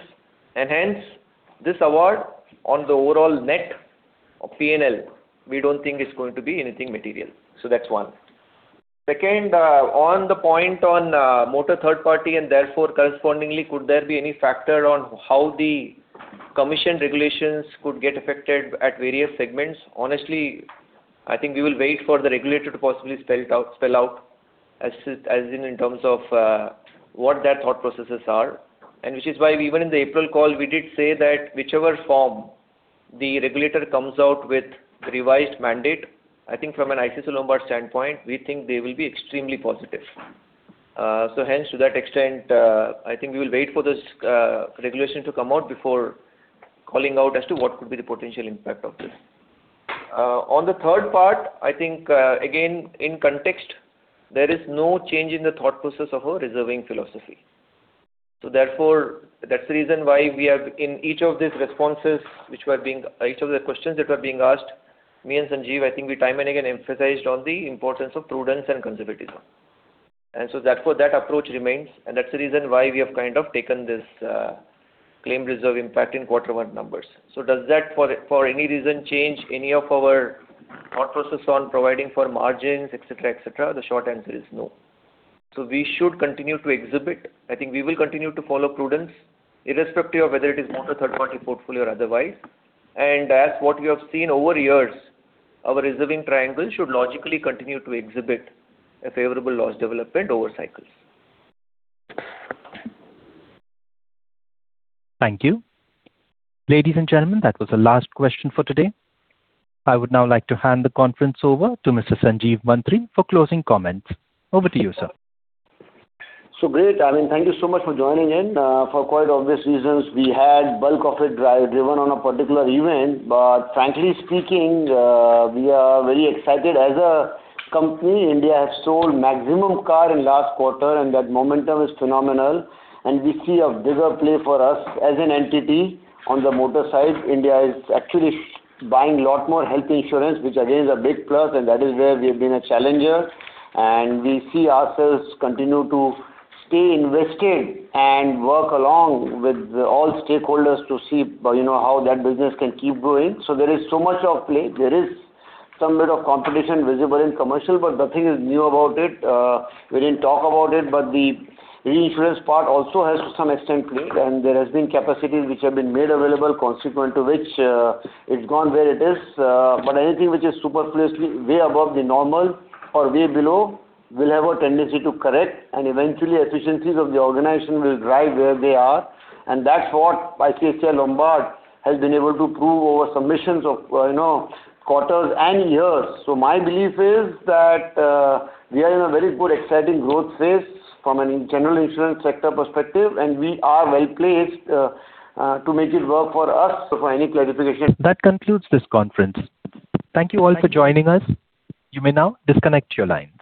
C: This award on the overall net of P&L, we do not think it is going to be anything material. That is one. Second, on the point on Motor Third-Party and therefore correspondingly, could there be any factor on how the commission regulations could get affected at various segments? Honestly, I think we will wait for the regulator to possibly spell out as in terms of what their thought processes are, which is why even in the April call we did say that whichever form the regulator comes out with revised mandate, I think from an ICICI Lombard standpoint, we think they will be extremely positive. To that extent, I think we will wait for this regulation to come out before calling out as to what could be the potential impact of this. On the third part, I think, again, in context, there is no change in the thought process of our reserving philosophy. That is the reason why in each of these questions that were being asked, me and Sanjeev, I think we time and again emphasized on the importance of prudence and conservatism. That approach remains, and that is the reason why we have taken this claim reserve impact in quarter one numbers. Does that for any reason change any of our thought process on providing for margins, etc? The short answer is no. We should continue to exhibit. I think we will continue to follow prudence irrespective of whether it is Motor Third-Party portfolio or otherwise. As what we have seen over years, our reserving triangle should logically continue to exhibit a favorable loss development over cycles.
A: Thank you. Ladies and gentlemen, that was the last question for today. I would now like to hand the conference over to Mr. Sanjeev Mantri for closing comments. Over to you, sir.
B: Great. Thank you so much for joining in. For quite obvious reasons, we had bulk of it driven on a particular event, but frankly speaking, we are very excited as a company. India has sold maximum car in last quarter and that momentum is phenomenal. We see a bigger play for us as an entity on the motor side. India is actually buying lot more health insurance, which again is a big plus and that is where we have been a challenger. We see ourselves continue to stay invested and work along with all stakeholders to see how that business can keep growing. There is so much at play. There is some bit of competition visible in commercial, but nothing is new about it. We didn't talk about it, but the reinsurance part also has to some extent played, and there has been capacities which have been made available, consequent to which it's gone where it is. Anything which is superfluously way above the normal or way below will have a tendency to correct, and eventually efficiencies of the organization will drive where they are. That's what ICICI Lombard has been able to prove over submissions of quarters and years. My belief is that we are in a very good, exciting growth phase from a general insurance sector perspective, and we are well-placed to make it work for us. For any clarification.
A: That concludes this conference. Thank you all for joining us. You may now disconnect your lines.